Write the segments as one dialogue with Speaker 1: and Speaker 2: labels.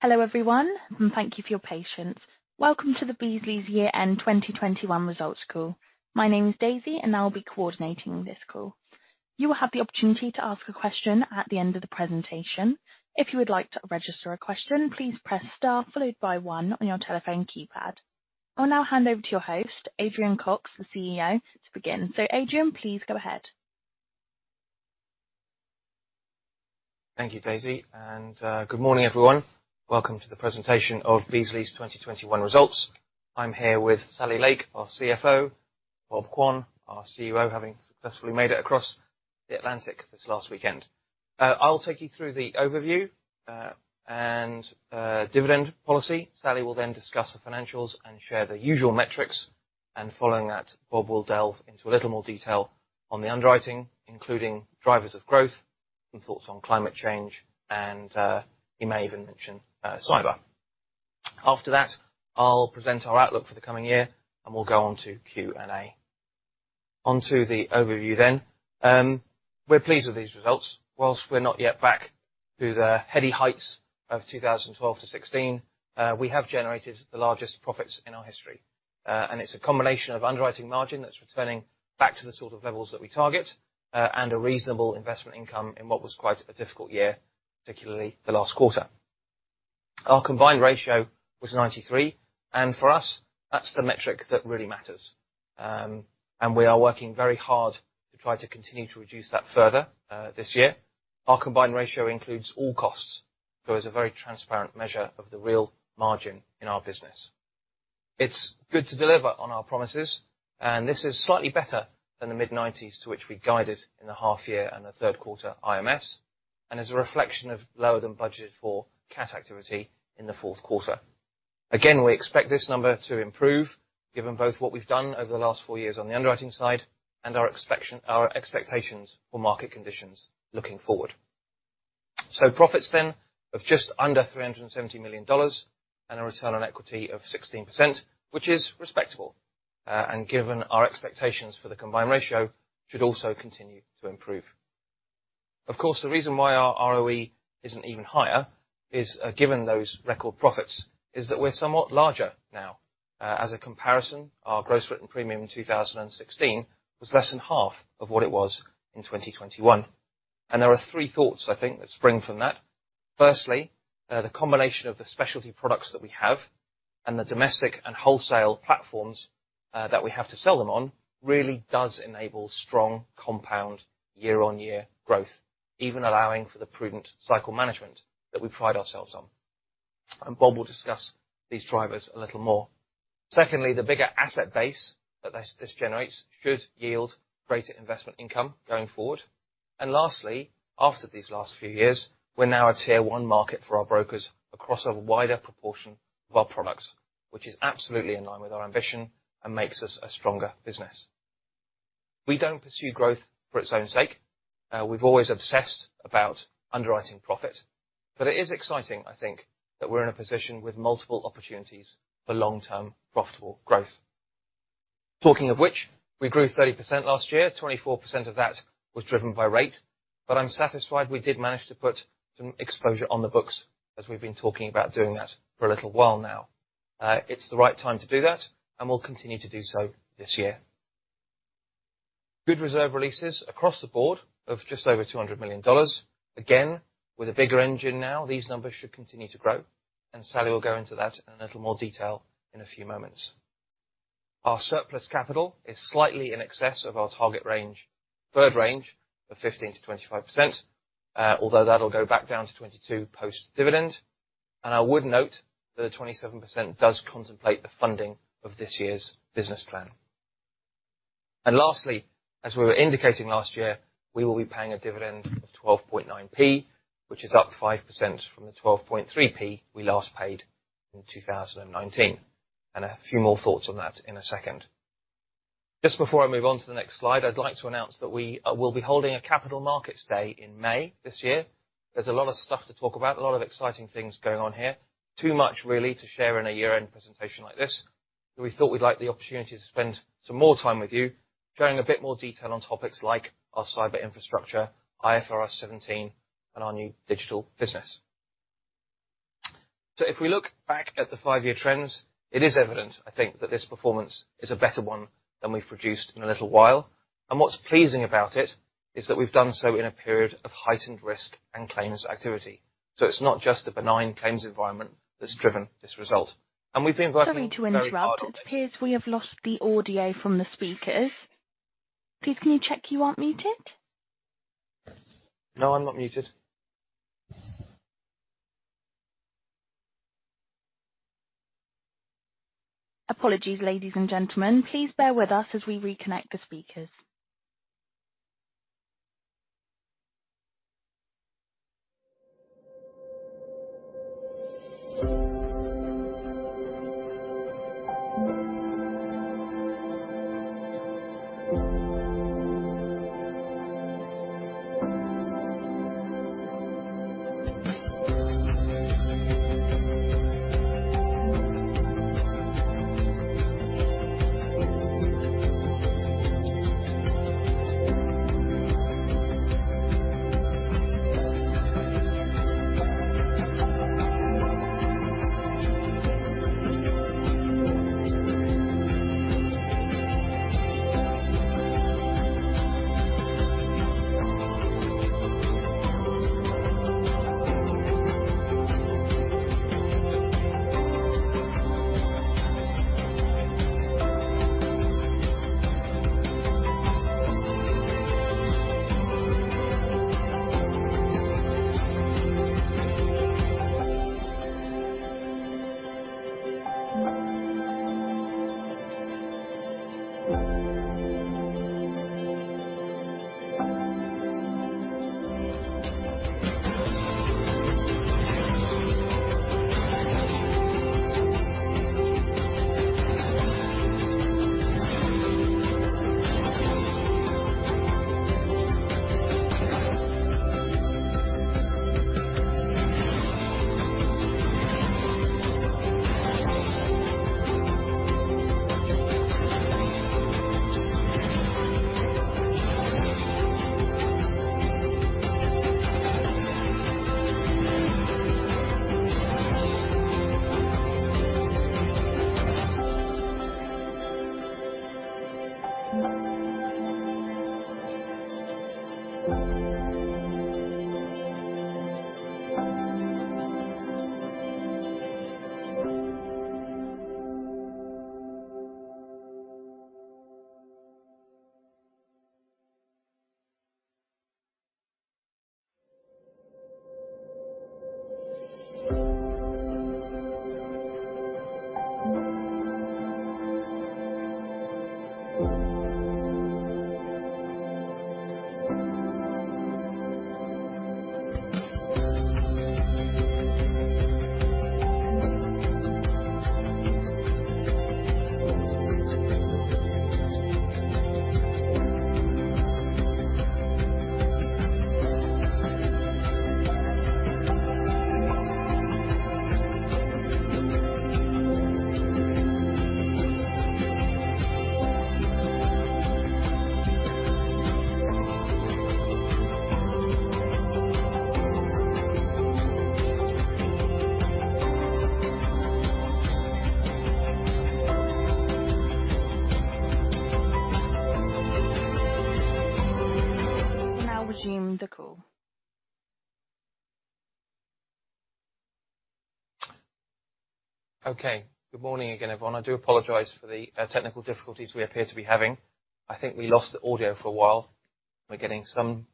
Speaker 1: Hello everyone, and thank you for your patience. Welcome to the Beazley's year-end 2021 results call. My name is Daisy, and I'll be coordinating this call. You will have the opportunity to ask a question at the end of the presentation. If you would like to register a question, please press star followed by one on your telephone keypad. I'll now hand over to your host, Adrian Cox, the CEO, to begin. Adrian, please go ahead.
Speaker 2: Thank you, Daisy. Good morning, everyone. Welcome to the presentation of Beazley's 2021 results. I'm here with Sally Lake, our CFO, Bob Quane, our CUO, having successfully made it across the Atlantic this last weekend. I'll take you through the overview and dividend policy. Sally will then discuss the financials and share the usual metrics. Following that, Bob will delve into a little more detail on the underwriting, including drivers of growth and thoughts on climate change, and he may even mention cyber. After that, I'll present our outlook for the coming year, and we'll go on to Q&A. On to the overview then. We're pleased with these results. While we're not yet back to the heady heights of 2012-2016, we have generated the largest profits in our history. It's a combination of underwriting margin that's returning back to the sort of levels that we target, and a reasonable investment income in what was quite a difficult year, particularly the last quarter. Our combined ratio was 93%, and for us, that's the metric that really matters. We are working very hard to try to continue to reduce that further, this year. Our combined ratio includes all costs. It's a very transparent measure of the real margin in our business. It's good to deliver on our promises, and this is slightly better than the mid-90s to which we guided in the half year and the third quarter IMS, and is a reflection of lower than budgeted for cat activity in the fourth quarter. Again, we expect this number to improve given both what we've done over the last four years on the underwriting side and our expectations for market conditions looking forward. Profits then of just under $370 million and a return on equity of 16%, which is respectable and, given our expectations for the combined ratio, should also continue to improve. Of course, the reason why our ROE isn't even higher, given those record profits, is that we're somewhat larger now. As a comparison, our gross written premium in 2016 was less than half of what it was in 2021. There are three thoughts I think that spring from that. Firstly, the combination of the specialty products that we have and the domestic and wholesale platforms that we have to sell them on really does enable strong compound year-on-year growth, even allowing for the prudent cycle management that we pride ourselves on. Bob will discuss these drivers a little more. Secondly, the bigger asset base that this generates should yield greater investment income going forward. Lastly, after these last few years, we're now a tier one market for our brokers across a wider proportion of our products, which is absolutely in line with our ambition and makes us a stronger business. We don't pursue growth for its own sake. We've always obsessed about underwriting profit. It is exciting, I think, that we're in a position with multiple opportunities for long-term profitable growth. Talking of which, we grew 30% last year. 24% of that was driven by rate. I'm satisfied we did manage to put some exposure on the books as we've been talking about doing that for a little while now. It's the right time to do that, and we'll continue to do so this year. Good reserve releases across the board of just over $200 million. Again, with a bigger engine now, these numbers should continue to grow, and Sally will go into that in a little more detail in a few moments. Our surplus capital is slightly in excess of our target range, the range of 15%-25%. Although that'll go back down to 22 post-dividend. I would note that the 27% does contemplate the funding of this year's business plan. Lastly, as we were indicating last year, we will be paying a dividend of 12.9p, which is up 5% from the 12.3p we last paid in 2019. A few more thoughts on that in a second. Just before I move on to the next slide, I'd like to announce that we will be holding a capital markets day in May this year. There's a lot of stuff to talk about, a lot of exciting things going on here. Too much really to share in a year-end presentation like this. We thought we'd like the opportunity to spend some more time with you, sharing a bit more detail on topics like our cyber infrastructure, IFRS 17, and our new digital business. If we look back at the five-year trends, it is evident, I think, that this performance is a better one than we've produced in a little while. What's pleasing about it is that we've done so in a period of heightened risk and claims activity. It's not just a benign claims environment that's driven this result. We've been working.
Speaker 1: Sorry to interrupt. It appears we have lost the audio from the speakers. Please, can you check you aren't muted?
Speaker 2: No, I'm not muted.
Speaker 1: Apologies, ladies and gentlemen. Please bear with us as we reconnect the speakers. We'll now resume the call.
Speaker 2: Okay. Good morning again, everyone. I do apologize for the technical difficulties we appear to be having. I think we lost the audio for a while. We're getting some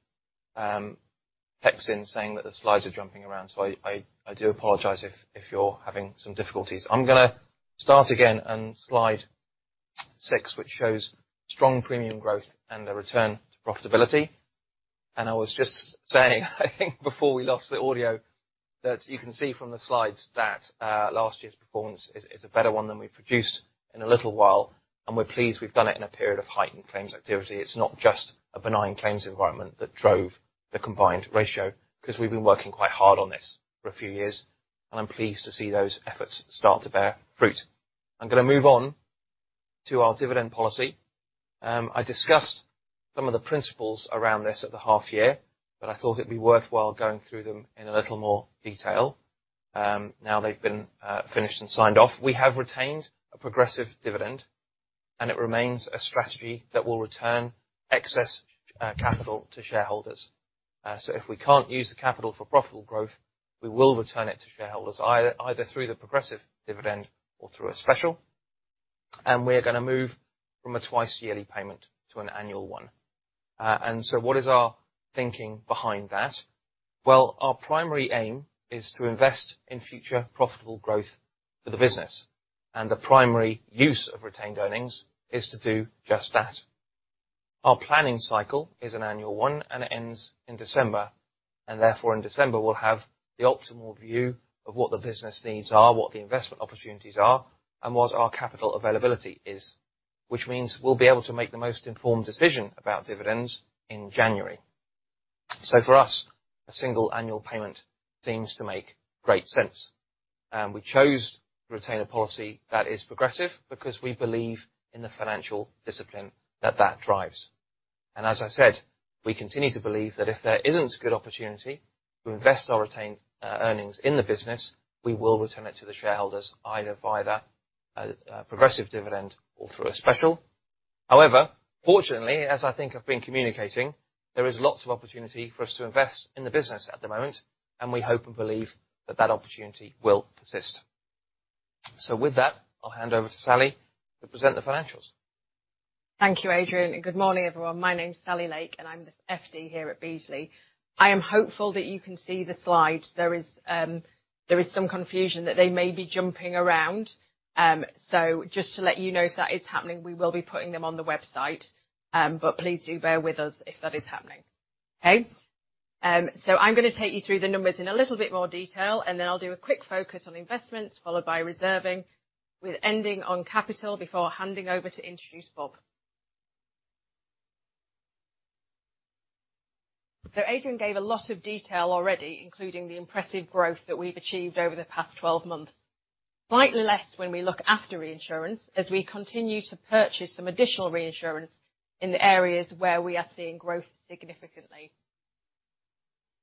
Speaker 2: texts in saying that the slides are jumping around, so I do apologize if you're having some difficulties. I'm gonna start again on slide six, which shows strong premium growth and the return to profitability. I was just saying, I think before we lost the audio, that you can see from the slides that last year's performance is a better one than we've produced in a little while, and we're pleased we've done it in a period of heightened claims activity. It's not just a benign claims environment that drove the combined ratio, 'cause we've been working quite hard on this for a few years, and I'm pleased to see those efforts start to bear fruit. I'm gonna move on to our dividend policy. I discussed some of the principles around this at the half year, but I thought it'd be worthwhile going through them in a little more detail. Now they've been finished and signed off. We have retained a progressive dividend, and it remains a strategy that will return excess capital to shareholders. If we can't use the capital for profitable growth, we will return it to shareholders either through the progressive dividend or through a special, and we're gonna move from a twice yearly payment to an annual one. What is our thinking behind that? Well, our primary aim is to invest in future profitable growth for the business, and the primary use of retained earnings is to do just that. Our planning cycle is an annual one, and it ends in December. Therefore in December, we'll have the optimal view of what the business needs are, what the investment opportunities are, and what our capital availability is. Which means we'll be able to make the most informed decision about dividends in January. For us, a single annual payment seems to make great sense. We chose to retain a policy that is progressive because we believe in the financial discipline that drives. As I said, we continue to believe that if there isn't a good opportunity to invest our retained earnings in the business, we will return it to the shareholders either via the progressive dividend or through a special. However, fortunately, as I think I've been communicating, there is lots of opportunity for us to invest in the business at the moment, and we hope and believe that that opportunity will persist. With that, I'll hand over to Sally to present the financials.
Speaker 3: Thank you, Adrian, and good morning, everyone. My name's Sally Lake, and I'm the FD here at Beazley. I am hopeful that you can see the slides. There is some confusion that they may be jumping around. So just to let you know, if that is happening, we will be putting them on the website. But please do bear with us if that is happening. Okay? So I'm gonna take you through the numbers in a little bit more detail, and then I'll do a quick focus on investments, followed by reserving, with ending on capital before handing over to introduce Bob. Adrian gave a lot of detail already, including the impressive growth that we've achieved over the past twelve months. Slightly less when we look after reinsurance, as we continue to purchase some additional reinsurance in the areas where we are seeing growth significantly.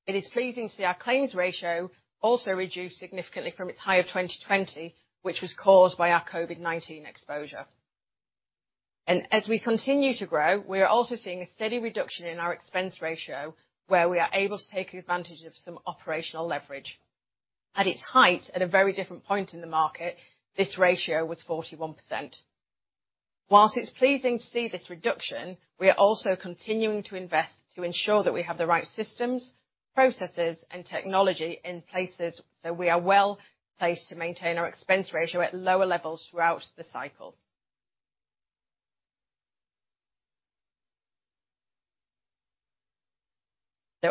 Speaker 3: It is pleasing to see our claims ratio also reduced significantly from its high of 2020, which was caused by our COVID-19 exposure. As we continue to grow, we are also seeing a steady reduction in our expense ratio, where we are able to take advantage of some operational leverage. At its height, at a very different point in the market, this ratio was 41%. While it's pleasing to see this reduction, we are also continuing to invest to ensure that we have the right systems, processes, and technology in place so we are well-placed to maintain our expense ratio at lower levels throughout the cycle.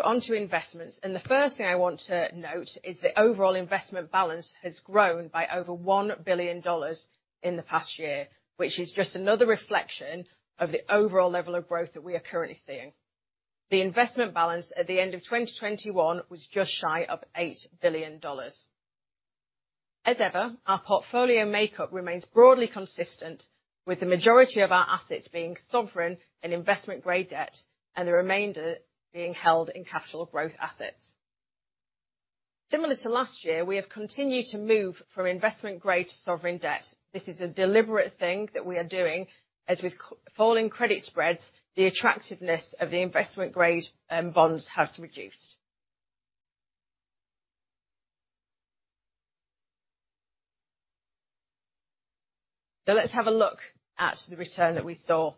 Speaker 3: Onto investments. The first thing I want to note is the overall investment balance has grown by over $1 billion in the past year, which is just another reflection of the overall level of growth that we are currently seeing. The investment balance at the end of 2021 was just shy of $8 billion. As ever, our portfolio makeup remains broadly consistent, with the majority of our assets being sovereign and investment-grade debt, and the remainder being held in capital growth assets. Similar to last year, we have continued to move from investment-grade to sovereign debt. This is a deliberate thing that we are doing as with falling credit spreads, the attractiveness of the investment-grade bonds has reduced. Let's have a look at the return that we saw.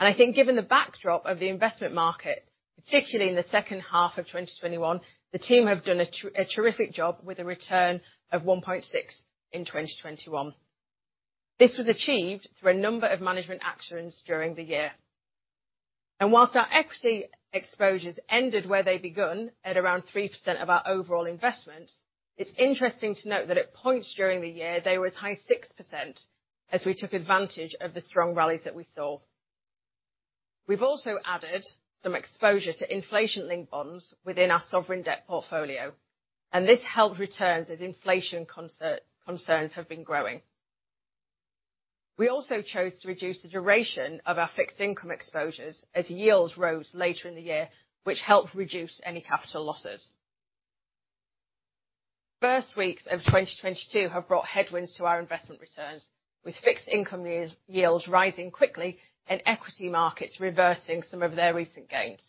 Speaker 3: I think given the backdrop of the investment market, particularly in the second half of 2021, the team have done a terrific job with a return of 1.6 in 2021. This was achieved through a number of management actions during the year. While our equity exposures ended where they'd begun, at around 3% of our overall investment, it's interesting to note that at points during the year, they were as high as 6%, as we took advantage of the strong rallies that we saw. We've also added some exposure to inflation-linked bonds within our sovereign debt portfolio, and this helped returns as inflation concerns have been growing. We also chose to reduce the duration of our fixed income exposures as yields rose later in the year, which helped reduce any capital losses. First weeks of 2022 have brought headwinds to our investment returns, with fixed income years yields rising quickly and equity markets reversing some of their recent gains.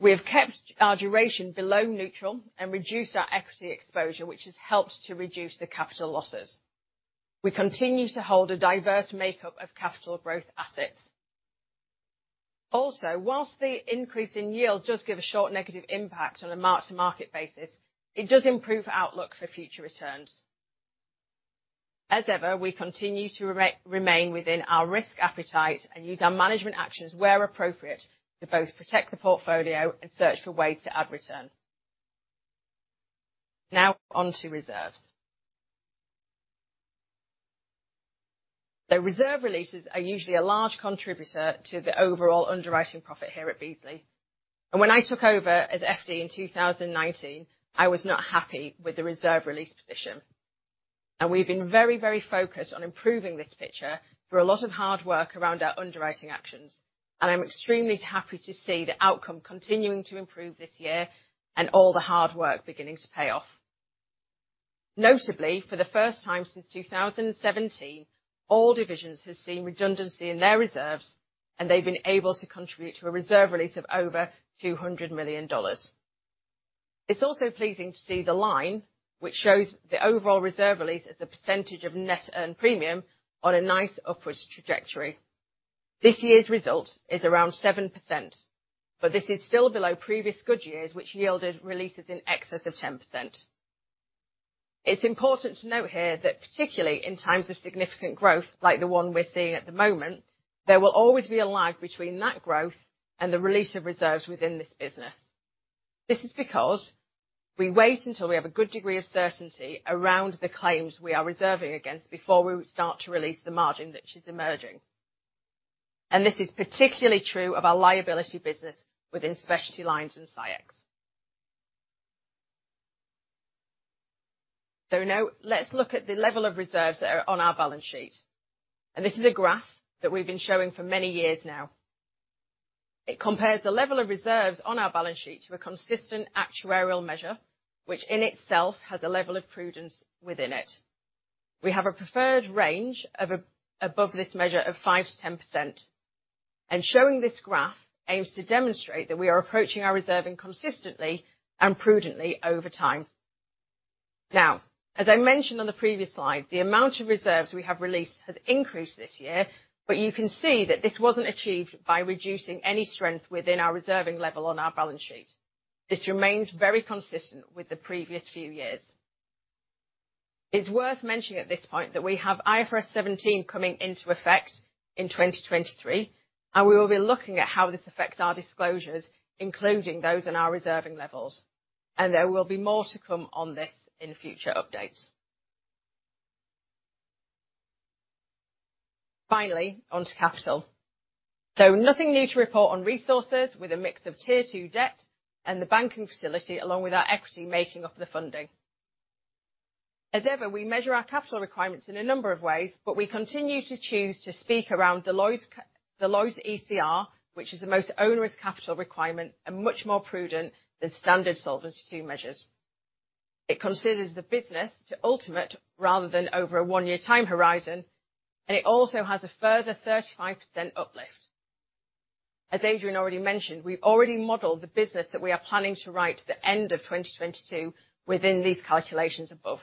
Speaker 3: We have kept our duration below neutral and reduced our equity exposure, which has helped to reduce the capital losses. We continue to hold a diverse makeup of capital growth assets. Also, whilst the increase in yield does give a short negative impact on a mark-to-market basis, it does improve outlook for future returns. As ever, we continue to remain within our risk appetite and use our management actions where appropriate to both protect the portfolio and search for ways to add return. Now onto reserves. The reserve releases are usually a large contributor to the overall underwriting profit here at Beazley, and when I took over as FD in 2019, I was not happy with the reserve release position. We've been very, very focused on improving this picture through a lot of hard work around our underwriting actions, and I'm extremely happy to see the outcome continuing to improve this year and all the hard work beginning to pay off. Notably, for the first time since 2017, all divisions have seen redundancy in their reserves, and they've been able to contribute to a reserve release of over $200 million. It's also pleasing to see the line, which shows the overall reserve release as a percentage of net earned premium, on a nice upwards trajectory. This year's result is around 7%, but this is still below previous good years, which yielded releases in excess of 10%. It's important to note here that particularly in times of significant growth, like the one we're seeing at the moment, there will always be a lag between that growth and the release of reserves within this business. This is because we wait until we have a good degree of certainty around the claims we are reserving against before we start to release the margin which is emerging. This is particularly true of our liability business within specialty lines and CyEx. Now let's look at the level of reserves that are on our balance sheet, and this is a graph that we've been showing for many years now. It compares the level of reserves on our balance sheet to a consistent actuarial measure, which in itself has a level of prudence within it. We have a preferred range of above this measure of 5%-10%. Showing this graph aims to demonstrate that we are approaching our reserving consistently and prudently over time. Now, as I mentioned on the previous slide, the amount of reserves we have released has increased this year, but you can see that this wasn't achieved by reducing any strength within our reserving level on our balance sheet. This remains very consistent with the previous few years. It's worth mentioning at this point that we have IFRS 17 coming into effect in 2023, and we will be looking at how this affects our disclosures, including those in our reserving levels. There will be more to come on this in future updates. Finally, onto capital. Nothing new to report on resources with a mix of Tier 2 debt and the banking facility, along with our equity making up the funding. As ever, we measure our capital requirements in a number of ways, but we continue to choose to speak around the Lloyd's, the Lloyd's ECR, which is the most onerous capital requirement and much more prudent than standard Solvency II measures. It considers the business to ultimate rather than over a one-year time horizon, and it also has a further 35% uplift. As Adrian already mentioned, we've already modeled the business that we are planning to write at the end of 2022 within these calculations above.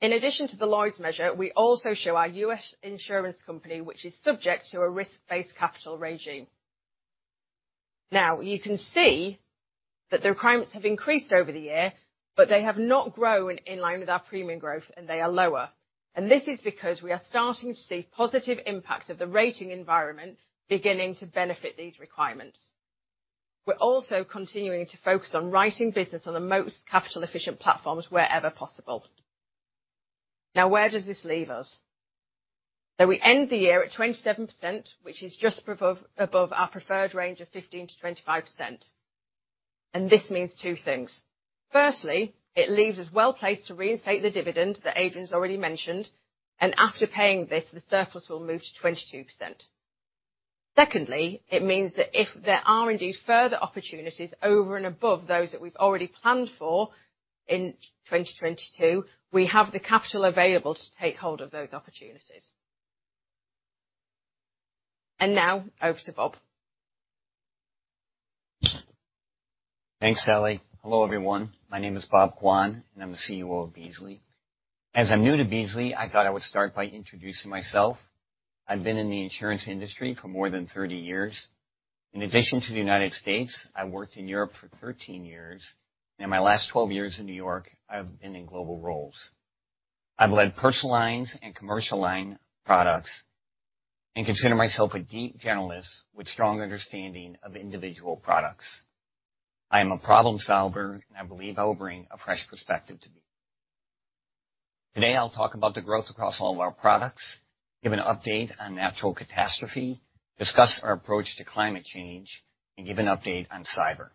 Speaker 3: In addition to the Lloyd's measure, we also show our U.S. insurance company, which is subject to a risk-based capital regime. Now, you can see that the requirements have increased over the year, but they have not grown in line with our premium growth, and they are lower. This is because we are starting to see positive impacts of the rating environment beginning to benefit these requirements. We're also continuing to focus on writing business on the most capital-efficient platforms wherever possible. Now, where does this leave us? That we end the year at 27%, which is just above our preferred range of 15%-25%. This means two things. Firstly, it leaves us well-placed to reinstate the dividend that Adrian's already mentioned, and after paying this, the surplus will move to 22%. Secondly, it means that if there are indeed further opportunities over and above those that we've already planned for in 2022, we have the capital available to take hold of those opportunities. Now over to Bob.
Speaker 4: Thanks, Sally. Hello, everyone. My name is Bob Quane, and I'm the COO of Beazley. As I'm new to Beazley, I thought I would start by introducing myself. I've been in the insurance industry for more than 30 years. In addition to the United States, I worked in Europe for 13 years. In my last 12 years in New York, I've been in global roles. I've led personal lines and commercial line products and consider myself a deep generalist with strong understanding of individual products. I am a problem solver, and I believe I will bring a fresh perspective to Beazley. Today, I'll talk about the growth across all of our products, give an update on natural catastrophe, discuss our approach to climate change, and give an update on cyber.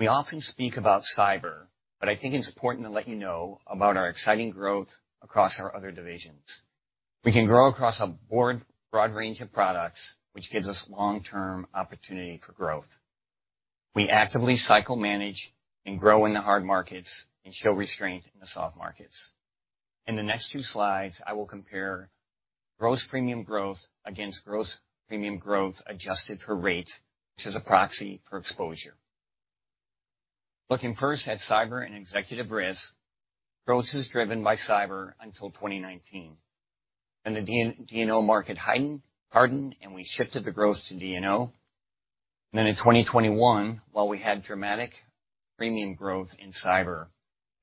Speaker 4: We often speak about cyber, but I think it's important to let you know about our exciting growth across our other divisions. We can grow across a broad range of products, which gives us long-term opportunity for growth. We actively cycle manage and grow in the hard markets and show restraint in the soft markets. In the next two slides, I will compare gross premium growth against gross premium growth adjusted for rate, which is a proxy for exposure. Looking first at cyber and executive risk, growth is driven by cyber until 2019. The D&O market heightened, hardened, and we shifted the growth to D&O. In 2021, while we had dramatic premium growth in cyber,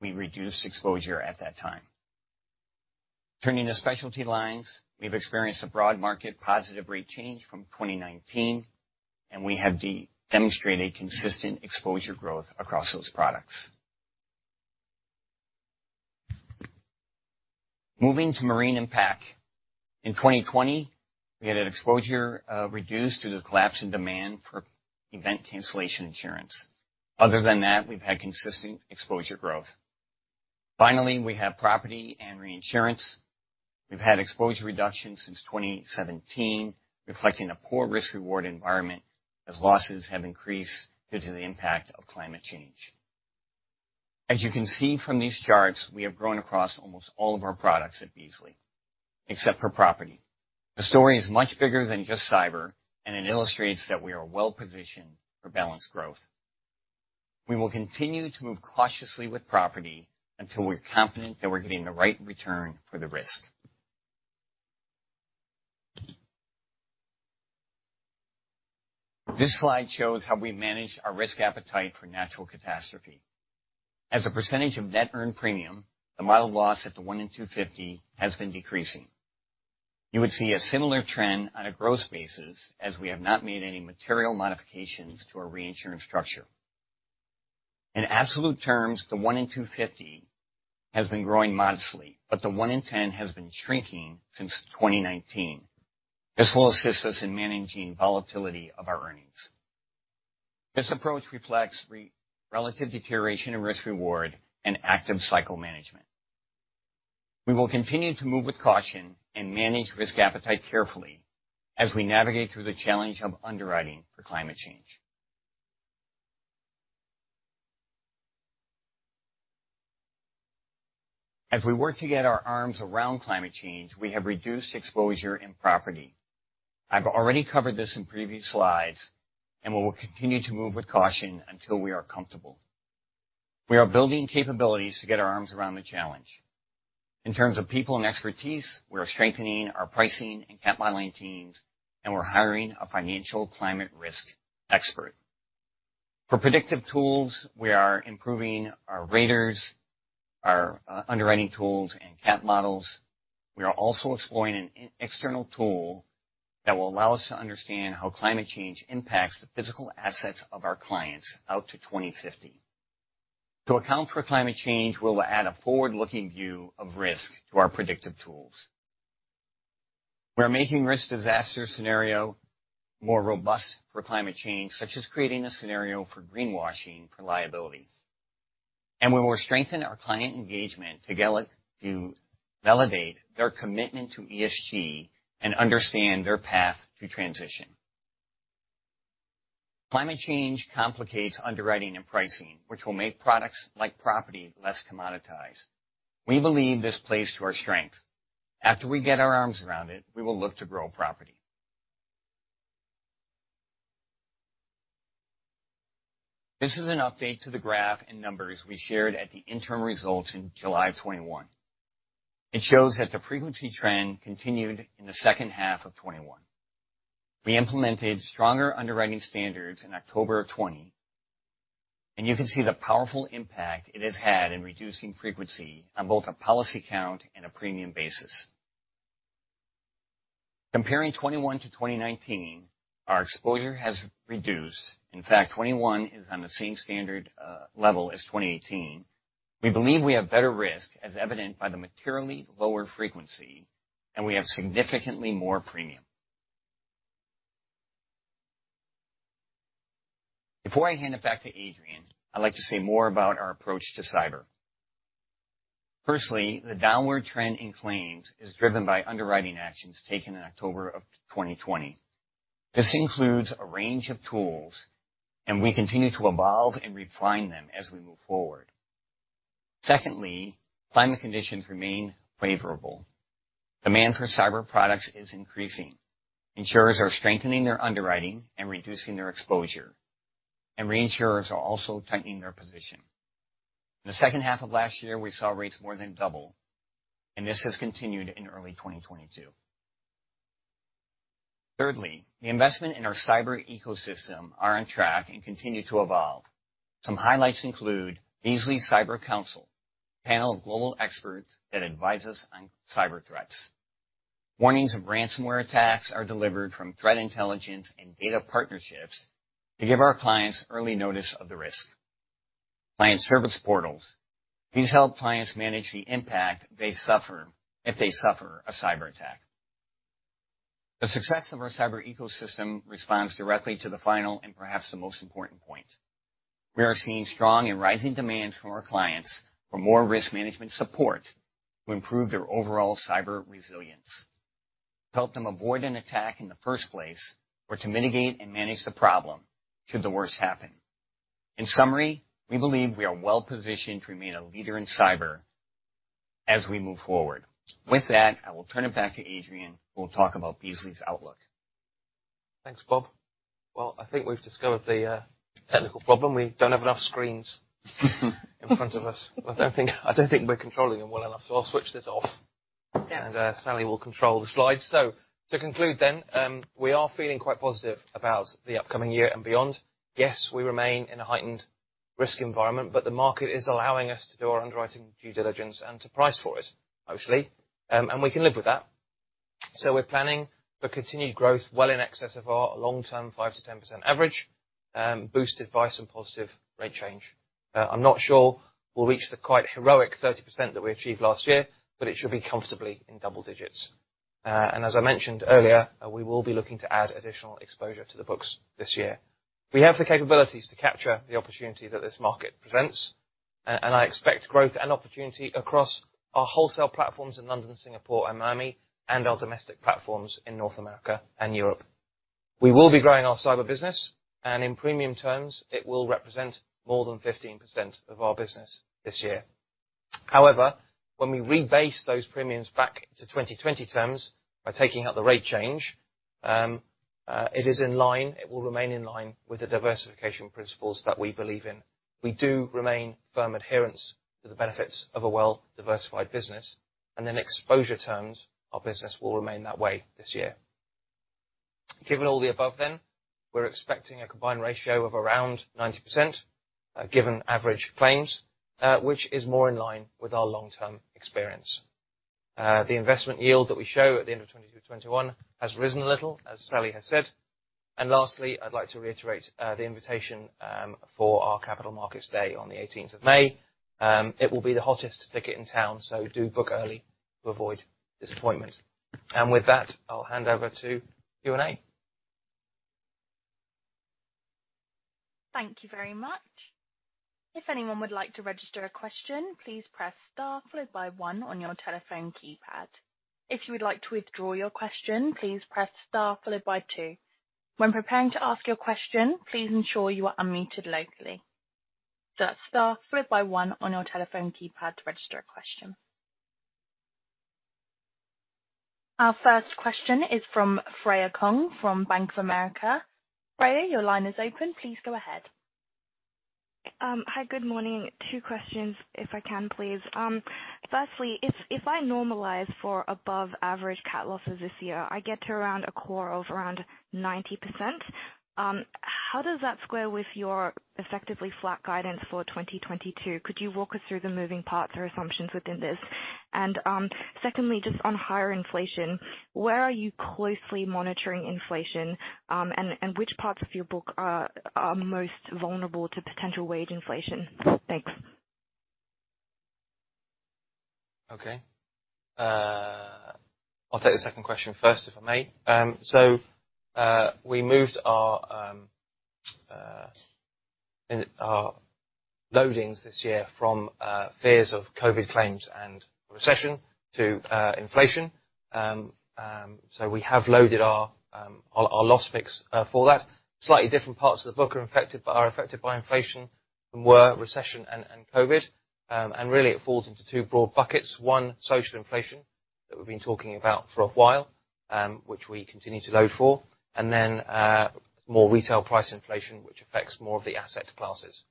Speaker 4: we reduced exposure at that time. Turning to specialty lines, we've experienced a broad market positive rate change from 2019, and we have demonstrated consistent exposure growth across those products. Moving to marine and PAC, in 2020, we had an exposure reduced due to the collapse in demand for event cancellation insurance. Other than that, we've had consistent exposure growth. Finally, we have property and reinsurance. We've had exposure reduction since 2017, reflecting a poor risk-reward environment as losses have increased due to the impact of climate change. As you can see from these charts, we have grown across almost all of our products at Beazley, except for property. The story is much bigger than just cyber, and it illustrates that we are well-positioned for balanced growth. We will continue to move cautiously with property until we're confident that we're getting the right return for the risk. This slide shows how we manage our risk appetite for natural catastrophe. As a percentage of net earned premium, the model loss at the 1 in 250 has been decreasing. You would see a similar trend on a gross basis as we have not made any material modifications to our reinsurance structure. In absolute terms, the 1 in 250 has been growing modestly, but the 1 in 10 has been shrinking since 2019. This will assist us in managing volatility of our earnings. This approach reflects relative deterioration in risk reward and active cycle management. We will continue to move with caution and manage risk appetite carefully as we navigate through the challenge of underwriting for climate change. As we work to get our arms around climate change, we have reduced exposure in property. I've already covered this in previous slides, and we will continue to move with caution until we are comfortable. We are building capabilities to get our arms around the challenge. In terms of people and expertise, we are strengthening our pricing and modeling teams, and we're hiring a financial climate risk expert. For predictive tools, we are improving our raters, our underwriting tools and cat models. We are also exploring an external tool that will allow us to understand how climate change impacts the physical assets of our clients out to 2050. To account for climate change, we'll add a forward-looking view of risk to our predictive tools. We're making risk disaster scenario more robust for climate change, such as creating a scenario for greenwashing for liability. We will strengthen our client engagement to validate their commitment to ESG and understand their path to transition. Climate change complicates underwriting and pricing, which will make products like property less commoditized. We believe this plays to our strengths. After we get our arms around it, we will look to grow property. This is an update to the graph and numbers we shared at the interim results in July 2021. It shows that the frequency trend continued in the second half of 2021. We implemented stronger underwriting standards in October 2020, and you can see the powerful impact it has had in reducing frequency on both a policy count and a premium basis. Comparing 2021 to 2019, our exposure has reduced. In fact, 2021 is on the same standard, level as 2018. We believe we have better risk, as evident by the materially lower frequency, and we have significantly more premium. Before I hand it back to Adrian, I'd like to say more about our approach to cyber. Firstly, the downward trend in claims is driven by underwriting actions taken in October of 2020. This includes a range of tools, and we continue to evolve and refine them as we move forward. Secondly, climate conditions remain favorable. Demand for cyber products is increasing. Insurers are strengthening their underwriting and reducing their exposure, and reinsurers are also tightening their position. In the second half of last year, we saw rates more than double, and this has continued in early 2022. Thirdly, the investment in our cyber ecosystem are on track and continue to evolve. Some highlights include Beazley Cyber Council, a panel of global experts that advise us on cyber threats. Warnings of ransomware attacks are delivered from threat intelligence and data partnerships to give our clients early notice of the risk. Client service portals, these help clients manage the impact if they suffer a cyberattack. The success of our cyber ecosystem responds directly to the final and perhaps the most important point. We are seeing strong and rising demands from our clients for more risk management support to improve their overall cyber resilience, to help them avoid an attack in the first place or to mitigate and manage the problem should the worst happen. In summary, we believe we are well positioned to remain a leader in cyber as we move forward. With that, I will turn it back to Adrian, who will talk about Beazley's outlook.
Speaker 2: Thanks, Bob. Well, I think we've discovered the technical problem. We don't have enough screens in front of us. I don't think we're controlling them well enough. I'll switch this off.
Speaker 4: Yeah.
Speaker 2: Sally will control the slides. To conclude, we are feeling quite positive about the upcoming year and beyond. Yes, we remain in a heightened risk environment, but the market is allowing us to do our underwriting due diligence and to price for it, mostly. We can live with that. We're planning for continued growth well in excess of our long-term 5%-10% average, boosted by some positive rate change. I'm not sure we'll reach the quite heroic 30% that we achieved last year, but it should be comfortably in double-digits. As I mentioned earlier, we will be looking to add additional exposure to the books this year. We have the capabilities to capture the opportunity that this market presents, and I expect growth and opportunity across our wholesale platforms in London, Singapore, and Miami, and our domestic platforms in North America and Europe. We will be growing our cyber business, and in premium terms, it will represent more than 15% of our business this year. However, when we rebase those premiums back to 2020 terms by taking out the rate change, it is in line, it will remain in line with the diversification principles that we believe in. We do remain firm adherents to the benefits of a well-diversified business, and in exposure terms, our business will remain that way this year. Given all the above, we're expecting a combined ratio of around 90%, given average claims, which is more in line with our long-term experience. The investment yield that we show at the end of 2021 has risen a little, as Sally has said. Lastly, I'd like to reiterate the invitation for our capital markets day on the eighteenth of May. It will be the hottest ticket in town, so do book early to avoid disappointment. With that, I'll hand over to Q&A.
Speaker 1: Thank you very much. If anyone would like to register a question, please press star followed by one on your telephone keypad. If you would like to withdraw your question, please press star followed by two. When preparing to ask your question, please ensure you are unmuted locally. That's star followed by one on your telephone keypad to register a question. Our first question is from Freya Kong from Bank of America. Freya, your line is open. Please go ahead.
Speaker 5: Hi, good morning. Two questions if I can, please. Firstly, if I normalize for above average cat losses this year, I get to around a core of around 90%. How does that square with your effectively flat guidance for 2022? Could you walk us through the moving parts or assumptions within this? Secondly, just on higher inflation, where are you closely monitoring inflation, and which parts of your book are most vulnerable to potential wage inflation? Thanks.
Speaker 2: Okay. I'll take the second question first, if I may. We moved our loadings this year from fears of COVID claims and recession to inflation. We have loaded our loss picks for that. Slightly different parts of the book are affected by inflation than were recession and COVID. Really it falls into two broad buckets. One, social inflation, that we've been talking about for a while, which we continue to load for. More retail price inflation, which affects more of the asset classes.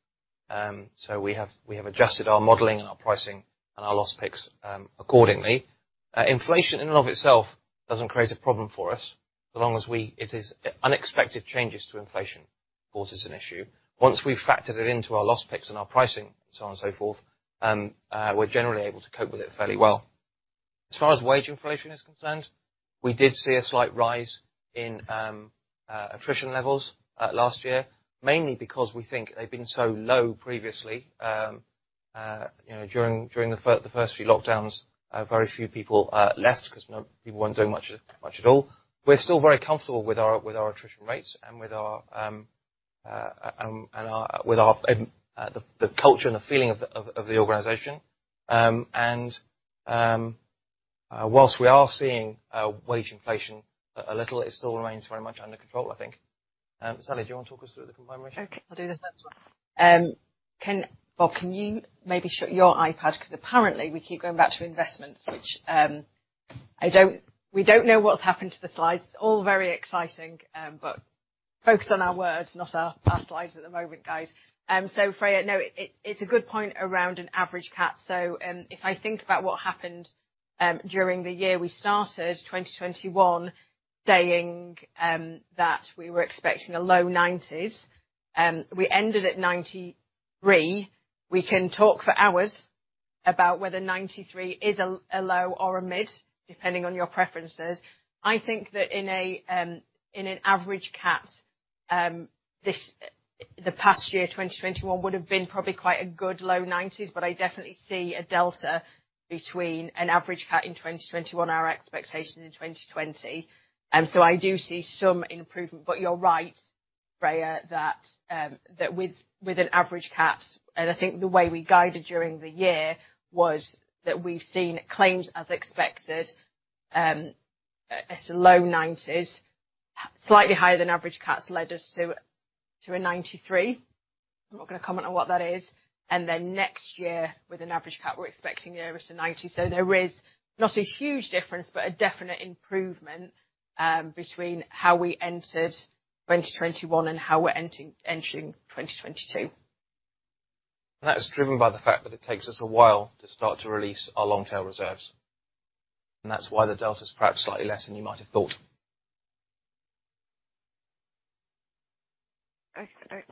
Speaker 2: We have adjusted our modeling and our pricing and our loss picks accordingly. Inflation in and of itself doesn't create a problem for us. It is unexpected changes to inflation cause an issue. Once we've factored it into our loss picks and our pricing, so on and so forth, we're generally able to cope with it fairly well. As far as wage inflation is concerned, we did see a slight rise in attrition levels last year, mainly because we think they've been so low previously, you know, during the first few lockdowns, very few people left because people weren't doing much at all. We're still very comfortable with our attrition rates and with our culture and the feeling of the organization. While we are seeing wage inflation a little, it still remains very much under control, I think. Sally, do you wanna talk us through the combined ratio?
Speaker 3: Sure. I'll do the next one. Bob, can you maybe share your iPad? 'Cause apparently we keep going back to investments, which, we don't know what's happened to the slides. It's all very exciting, but focus on our words, not our slides at the moment, guys. Freya, it's a good point around an average cat. If I think about what happened during the year we started 2021, saying that we were expecting low 90s. We ended at 93%. We can talk for hours about whether 93% is a low or a mid, depending on your preferences. I think that in an average cat, the past year, 2021 would have been probably quite a good low 90s, but I definitely see a delta between an average cat in 2021, our expectation in 2020. I do see some improvement. You're right, Freya, that with an average cat, I think the way we guided during the year was that we've seen claims as expected at a low 90s. Slightly higher than average cats led us to a 93%. I'm not gonna comment on what that is. Then next year, with an average cat, we're expecting nearer to 90%. There is not a huge difference, but a definite improvement between how we entered 2021 and how we're entering 2022.
Speaker 2: That is driven by the fact that it takes us a while to start to release our long tail reserves. That's why the delta is perhaps slightly less than you might have thought.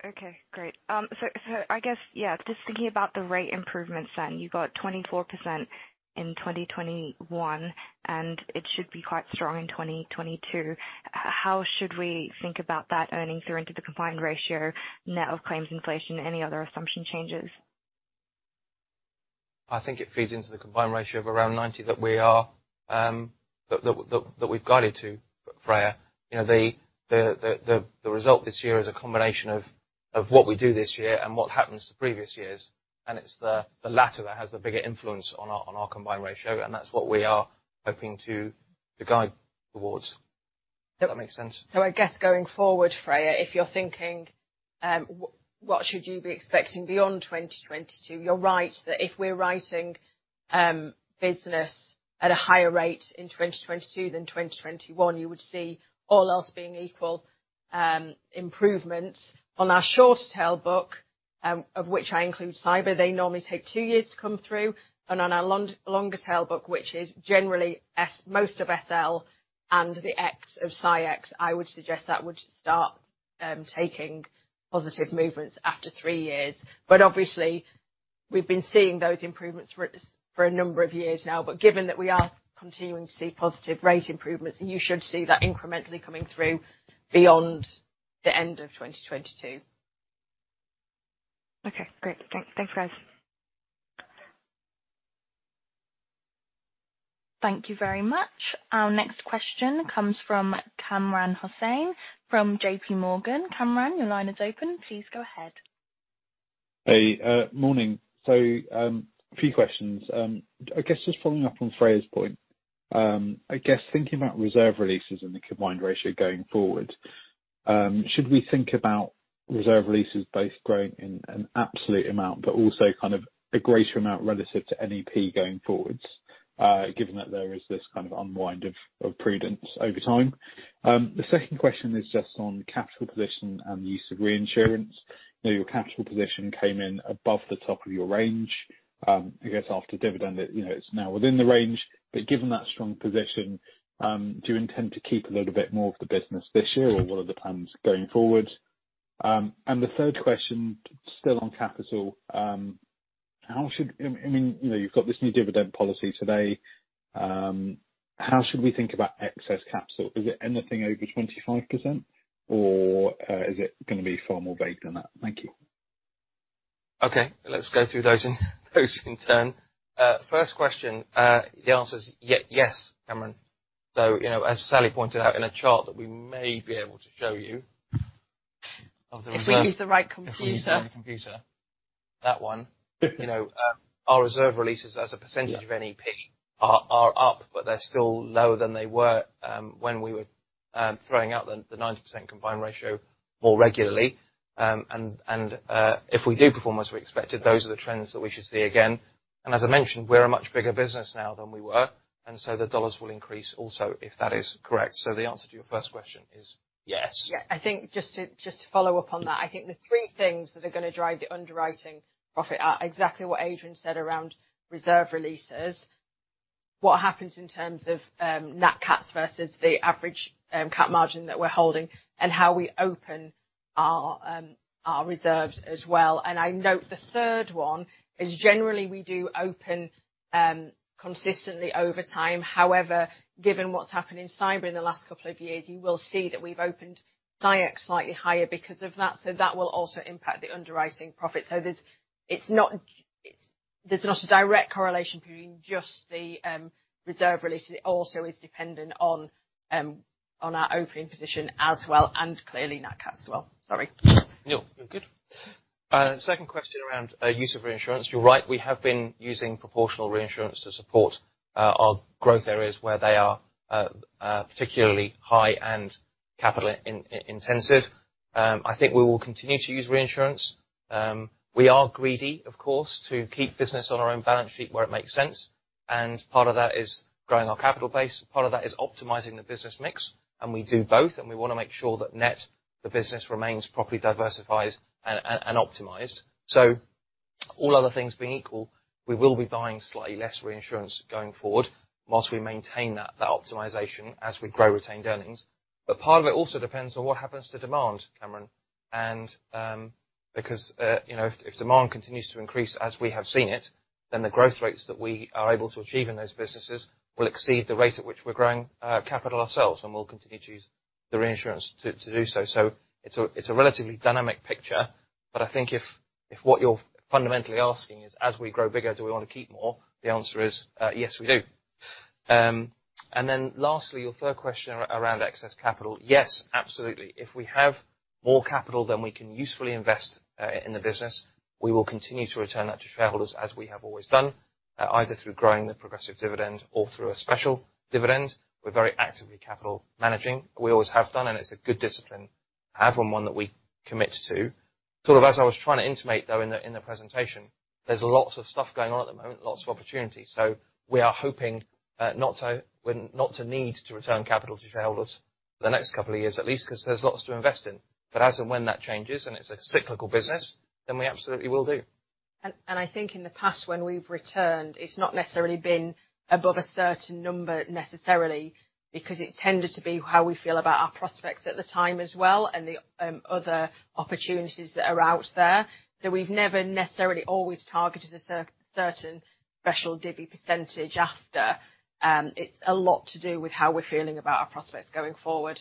Speaker 5: Okay, great. So I guess, yeah, just thinking about the rate improvements then, you've got 24% in 2021, and it should be quite strong in 2022. How should we think about that earnings or into the combined ratio, net of claims inflation, any other assumption changes?
Speaker 2: I think it feeds into the combined ratio of around 90% that we've guided to, Freya. You know, the result this year is a combination of what we do this year and what happens to previous years. It's the latter that has the bigger influence on our combined ratio, and that's what we are hoping to guide towards. Hope that makes sense.
Speaker 3: I guess going forward, Freya, if you're thinking, what should you be expecting beyond 2022, you're right that if we're writing business at a higher rate in 2022 than in 2021, you would see, all else being equal, improvements on our short tail book, of which I include cyber. They normally take two years to come through. On our longer tail book, which is generally most of SL and the Ex of CyEx, I would suggest that would start taking positive movements after three years. Obviously, we've been seeing those improvements for a number of years now. Given that we are continuing to see positive rate improvements, you should see that incrementally coming through beyond the end of 2022.
Speaker 5: Okay, great. Thanks, guys.
Speaker 1: Thank you very much. Our next question comes from Kamran Hossain from JPMorgan. Kamran, your line is open. Please go ahead.
Speaker 6: Morning. A few questions. I guess just following up on Freya's point, I guess thinking about reserve releases and the combined ratio going forward, should we think about reserve releases both growing in an absolute amount, but also kind of a greater amount relative to NEP going forwards, given that there is this kind of unwind of prudence over time. The second question is just on capital position and the use of reinsurance. I know your capital position came in above the top of your range. I guess after dividend it, you know, it's now within the range, but given that strong position, do you intend to keep a little bit more of the business this year or what are the plans going forward. And the third question, still on capital, how should... I mean, you know, you've got this new dividend policy today. How should we think about excess capital? Is it anything over 25% or is it gonna be far more vague than that? Thank you.
Speaker 2: Okay, let's go through those in turn. First question, the answer is yes, Kamran. You know, as Sally pointed out in a chart that we may be able to show you of the reserve-
Speaker 3: If we use the right computer.
Speaker 2: If we use the right computer. That one. You know, our reserve releases as a percentage of NEP are up, but they're still lower than they were, when we were throwing out the 90% combined ratio more regularly. If we do perform as we expected, those are the trends that we should see again. As I mentioned, we're a much bigger business now than we were, and so the dollars will increase also, if that is correct. The answer to your first question is yes.
Speaker 3: Yeah. I think just to follow up on that, I think the three things that are gonna drive the underwriting profit are exactly what Adrian said around reserve releases. What happens in terms of nat cats versus the average cat margin that we're holding and how we open our reserves as well. I note the third one is generally we do open consistently over time. However, given what's happened in cyber in the last couple of years, you will see that we've opened CyEx slightly higher because of that, so that will also impact the underwriting profit. There's not a direct correlation between just the reserve releases. It also is dependent on our opening position as well and clearly nat cats as well. Sorry.
Speaker 2: No, you're good. Second question around use of reinsurance. You're right, we have been using proportional reinsurance to support our growth areas where they are particularly high and capital intensive. I think we will continue to use reinsurance. We are greedy, of course, to keep business on our own balance sheet where it makes sense, and part of that is growing our capital base, part of that is optimizing the business mix, and we do both, and we wanna make sure that net, the business remains properly diversified and optimized. All other things being equal, we will be buying slightly less reinsurance going forward while we maintain that optimization as we grow retained earnings. Part of it also depends on what happens to demand, Kamran. Because you know, if demand continues to increase as we have seen it, then the growth rates that we are able to achieve in those businesses will exceed the rate at which we're growing capital ourselves, and we'll continue to use the reinsurance to do so. It's a relatively dynamic picture. I think if what you're fundamentally asking is, as we grow bigger, do we wanna keep more? The answer is, yes, we do. And then lastly, your third question around excess capital. Yes, absolutely. If we have more capital than we can usefully invest in the business, we will continue to return that to shareholders, as we have always done, either through growing the progressive dividend or through a special dividend. We're very actively capital managing. We always have done, and it's a good discipline to have and one that we commit to. Sort of as I was trying to intimate, though, in the presentation, there's lots of stuff going on at the moment, lots of opportunities. We are hoping not to need to return capital to shareholders for the next couple of years at least, 'cause there's lots to invest in. As and when that changes, and it's a cyclical business, then we absolutely will do.
Speaker 3: I think in the past when we've returned, it's not necessarily been above a certain number necessarily because it tended to be how we feel about our prospects at the time as well and the other opportunities that are out there. We've never necessarily always targeted a certain special divvy percentage after. It's a lot to do with how we're feeling about our prospects going forward.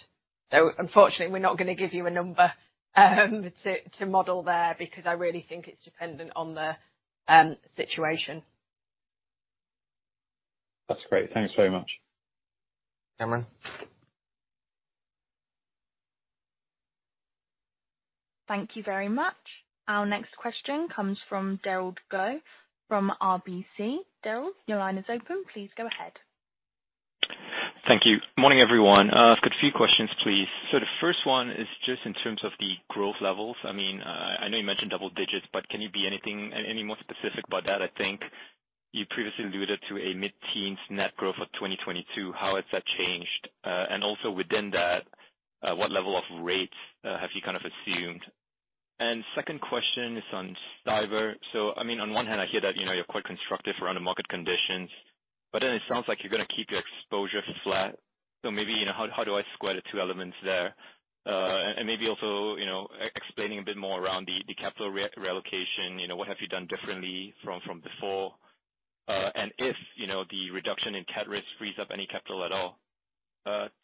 Speaker 3: Unfortunately, we're not gonna give you a number to model there because I really think it's dependent on the situation.
Speaker 6: That's great. Thanks very much.
Speaker 2: Kamran?
Speaker 1: Thank you very much. Our next question comes from Derald Goh from RBC. Derald, your line is open. Please go ahead.
Speaker 7: Thank you. Morning, everyone. I've got a few questions, please. The first one is just in terms of the growth levels. I mean, I know you mentioned double-digits, but can you be any more specific about that? I think you previously alluded to a mid-teens net growth of 2022. How has that changed? Also within that, what level of rates have you kind of assumed? Second question is on cyber. I mean, on one hand I hear that, you know, you're quite constructive around the market conditions, but then it sounds like you're gonna keep your exposure flat. Maybe, you know, how do I square the two elements there? Maybe also, you know, explaining a bit more around the capital reallocation. You know, what have you done differently from before? If you know, the reduction in cat risk frees up any capital at all.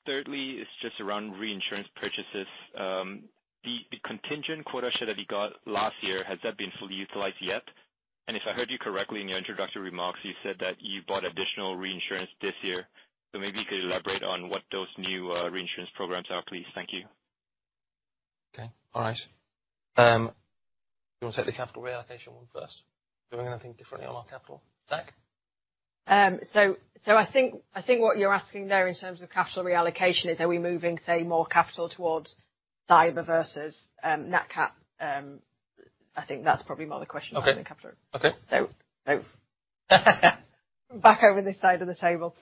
Speaker 7: Thirdly is just around reinsurance purchases. The contingent quota share that you got last year, has that been fully utilized yet? If I heard you correctly in your introductory remarks, you said that you bought additional reinsurance this year. Maybe you could elaborate on what those new reinsurance programs are, please. Thank you.
Speaker 2: Okay. All right. Do you wanna take the capital reallocation one first? Doing anything differently on our capital deck?
Speaker 3: I think what you're asking there in terms of capital reallocation is are we moving, say, more capital towards cyber versus nat cat. I think that's probably more the question than capital.
Speaker 2: Okay.
Speaker 3: Back over this side of the table.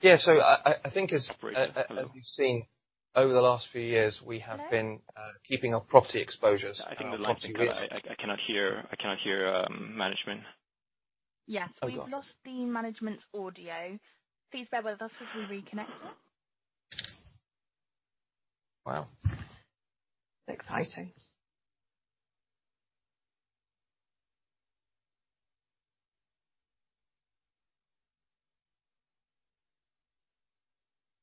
Speaker 2: Yeah. I think as we've seen over the last few years, we have been keeping our property exposures-
Speaker 7: I think the line's gone. I cannot hear management.
Speaker 1: Yes.
Speaker 7: Oh, go on.
Speaker 1: We've lost the management's audio. Please bear with us as we reconnect them.
Speaker 2: Wow. Exciting.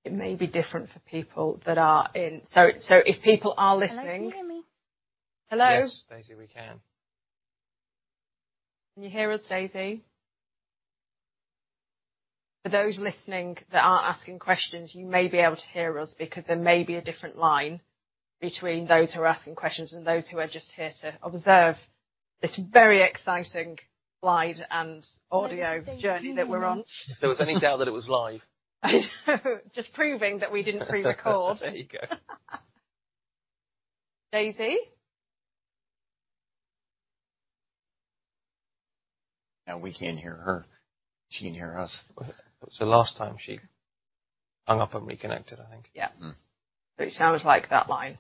Speaker 3: It may be different for people that are in. If people are listening.
Speaker 1: Hello, can you hear me?
Speaker 3: Hello?
Speaker 2: Yes, Daisy, we can.
Speaker 3: Can you hear us, Daisy? For those listening that aren't asking questions, you may be able to hear us because there may be a different line between those who are asking questions and those who are just here to observe this very exciting slide and audio journey that we're on.
Speaker 2: If there was any doubt that it was live.
Speaker 3: I know. Just proving that we didn't pre-record.
Speaker 2: There you go.
Speaker 3: Daisy?
Speaker 2: Now we can't hear her. She can hear us.
Speaker 4: It was the last time she hung up and reconnected, I think.
Speaker 3: Yeah.
Speaker 2: Mm-hmm.
Speaker 3: It sounds like that line.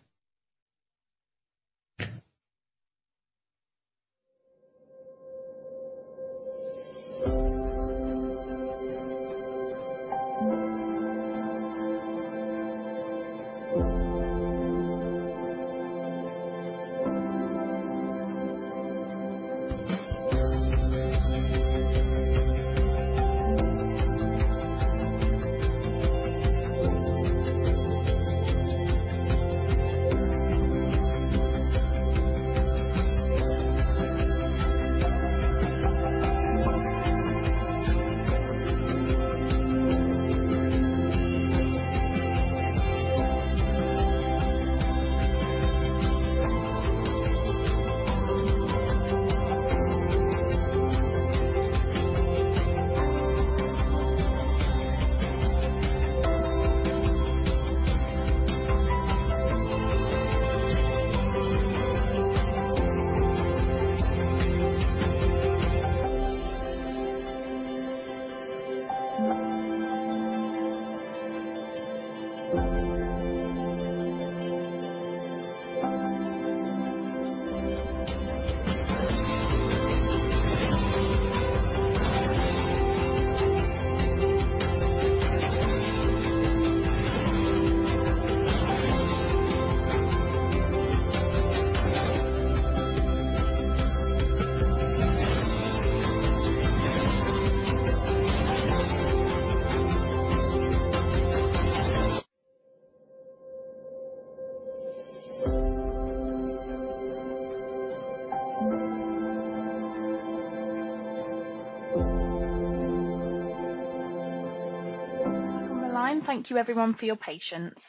Speaker 1: On the line. Thank you everyone for your patience.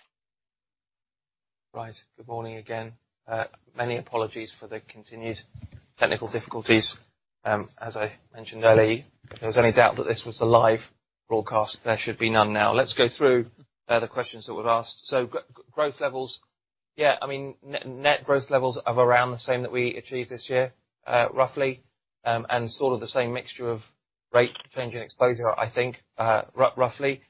Speaker 2: Right. Good morning again. Many apologies for the continued technical difficulties. As I mentioned earlier, if there was any doubt that this was a live broadcast, there should be none now. Let's go through the questions that were asked. Growth levels. Yeah, I mean, net growth levels of around the same that we achieved this year, roughly. Sort of the same mixture of rate change and exposure, I think, roughly.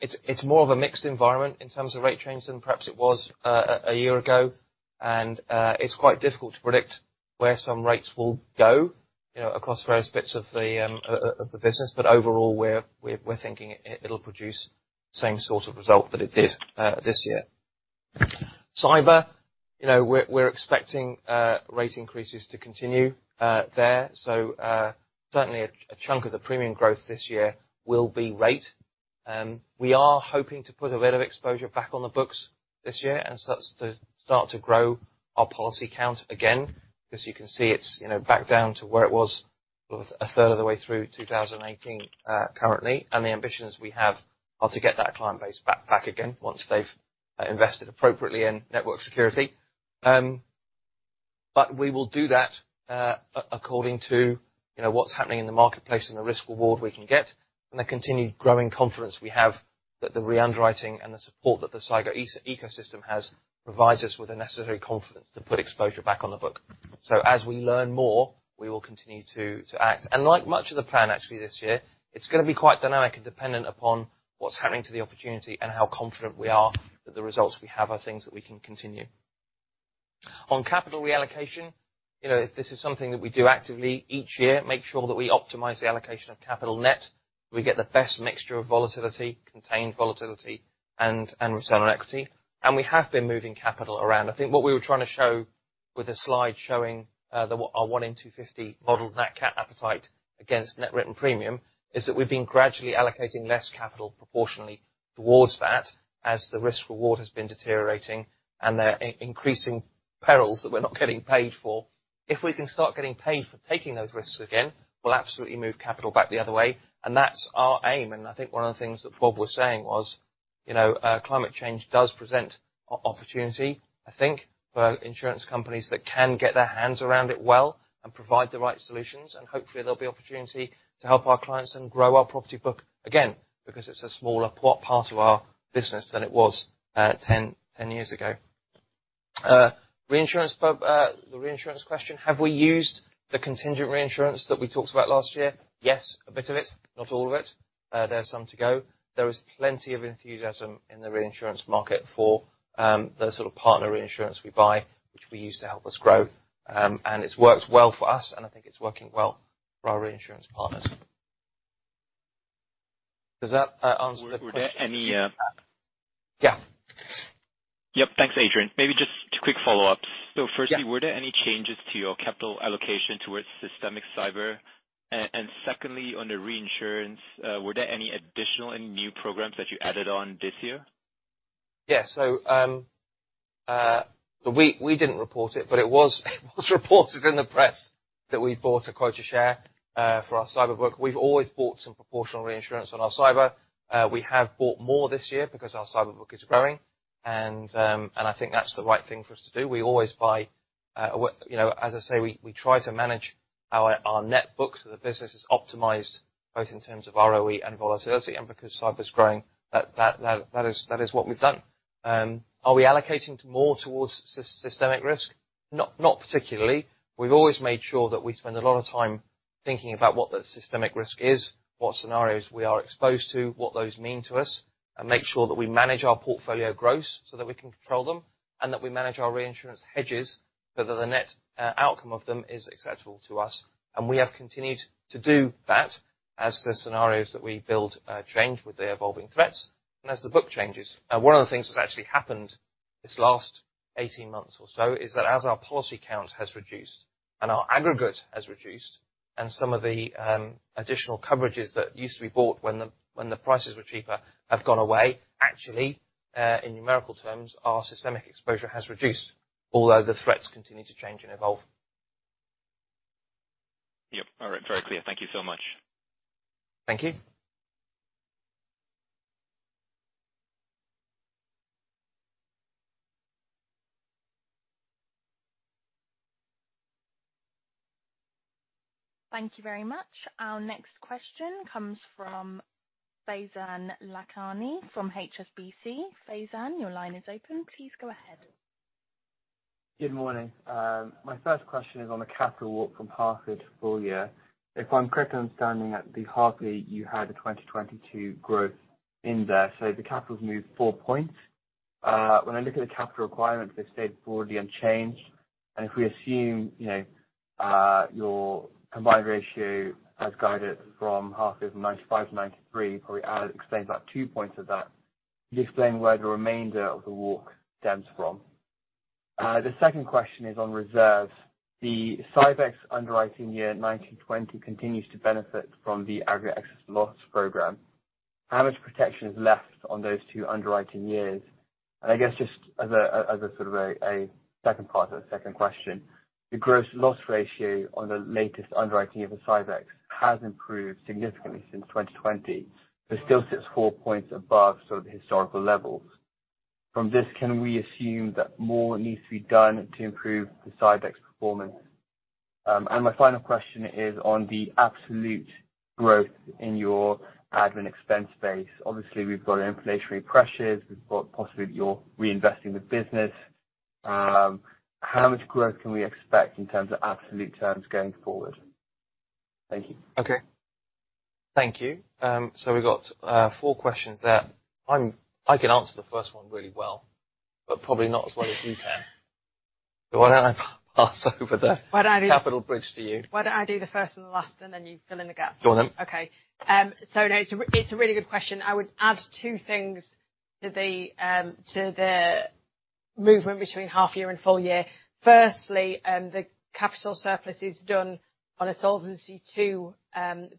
Speaker 2: It's more of a mixed environment in terms of rate change than perhaps it was a year ago. It's quite difficult to predict where some rates will go, you know, across various bits of the business. Overall we're thinking it'll produce same sort of result that it did this year. Cyber, you know, we're expecting rate increases to continue there. Certainly a chunk of the premium growth this year will be rate. We are hoping to put a bit of exposure back on the books this year and start to grow our policy count again. Because you can see it's, you know, back down to where it was sort of a third of the way through 2018 currently. The ambitions we have are to get that client base back again once they've invested appropriately in network security. We will do that according to, you know, what's happening in the marketplace and the risk reward we can get, and the continued growing confidence we have that the re-underwriting and the support that the cyber ecosystem has, provides us with the necessary confidence to put exposure back on the book. As we learn more, we will continue to act. Like much of the plan actually this year, it's gonna be quite dynamic and dependent upon what's happening to the opportunity and how confident we are that the results we have are things that we can continue. On capital reallocation, you know, this is something that we do actively each year, make sure that we optimize the allocation of capital net. We get the best mixture of volatility, contained volatility, and return on equity. We have been moving capital around. I think what we were trying to show with a slide showing our 1 in 250 model, net cap appetite against net written premium, is that we've been gradually allocating less capital proportionally towards that as the risk reward has been deteriorating and there are increasing perils that we're not getting paid for. If we can start getting paid for taking those risks again, we'll absolutely move capital back the other way, and that's our aim. I think one of the things that Bob was saying was, you know, climate change does present opportunity, I think, for insurance companies that can get their hands around it well and provide the right solutions. Hopefully there'll be opportunity to help our clients and grow our property book again, because it's a smaller part of our business than it was, 10 years ago. Reinsurance but, the reinsurance question, have we used the contingent reinsurance that we talked about last year? Yes. A bit of it, not all of it. There are some to go. There was plenty of enthusiasm in the reinsurance market for, the sort of partner reinsurance we buy, which we use to help us grow. It's worked well for us, and I think it's working well for our reinsurance partners. Does that answer the question?
Speaker 7: Were there any?
Speaker 2: Yeah.
Speaker 7: Yep. Thanks, Adrian. Maybe just two quick follow-ups.
Speaker 2: Yeah.
Speaker 7: Firstly, were there any changes to your capital allocation towards systemic cyber? And secondly, on the reinsurance, were there any additional and new programs that you added on this year?
Speaker 2: Yeah. We didn't report it, but it was reported in the press that we bought a quota share for our cyber book. We've always bought some proportional reinsurance on our cyber. We have bought more this year because our cyber book is growing and I think that's the right thing for us to do. We always buy. You know, as I say, we try to manage our net book so the business is optimized both in terms of ROE and volatility. Because cyber's growing, that is what we've done. Are we allocating more towards systemic risk? Not particularly. We've always made sure that we spend a lot of time thinking about what the systemic risk is, what scenarios we are exposed to, what those mean to us, and make sure that we manage our portfolio gross so that we can control them, and that we manage our reinsurance hedges so that the net outcome of them is acceptable to us. We have continued to do that as the scenarios that we build change with the evolving threats and as the book changes. One of the things that's actually happened this last 18 months or so is that as our policy count has reduced and our aggregate has reduced, and some of the additional coverages that used to be bought when the prices were cheaper have gone away, actually, in numerical terms, our systemic exposure has reduced, although the threats continue to change and evolve.
Speaker 7: Yep. All right. Very clear. Thank you so much.
Speaker 2: Thank you.
Speaker 1: Thank you very much. Our next question comes from Faizan Lakhani from HSBC. Faizan, your line is open. Please go ahead.
Speaker 8: Good morning. My first question is on the capital walk from half year to full year. If I'm correctly understanding, at the half year you had the 2022 growth in there, so the capital's moved four points. When I look at the capital requirements, they've stayed broadly unchanged. If we assume your combined ratio as guided from half year from 95% to 93%, probably explains about two points of that. Could you explain where the remainder of the walk stems from? The second question is on reserves. The CyEx underwriting year 2019-2020 continues to benefit from the aggregate excess of loss program. How much protection is left on those two underwriting years? I guess just as a sort of second part or second question, the gross loss ratio on the latest underwriting of the CyEx has improved significantly since 2020. It still sits four points above sort of historical levels. From this, can we assume that more needs to be done to improve the CyEx performance? My final question is on the absolute growth in your admin expense base. Obviously, we've got inflationary pressures. We've got possibly that you're reinvesting the business. How much growth can we expect in terms of absolute terms going forward? Thank you.
Speaker 2: Okay. Thank you. We've got four questions there. I can answer the first one really well, but probably not as well as you can. Why don't I pass over the-
Speaker 3: Why don't I do-
Speaker 2: Capital bridge to you?
Speaker 3: Why don't I do the first and the last, and then you fill in the gaps?
Speaker 2: Go on then.
Speaker 3: It's a really good question. I would add two things to the movement between half year and full year. Firstly, the capital surplus is done on a Solvency II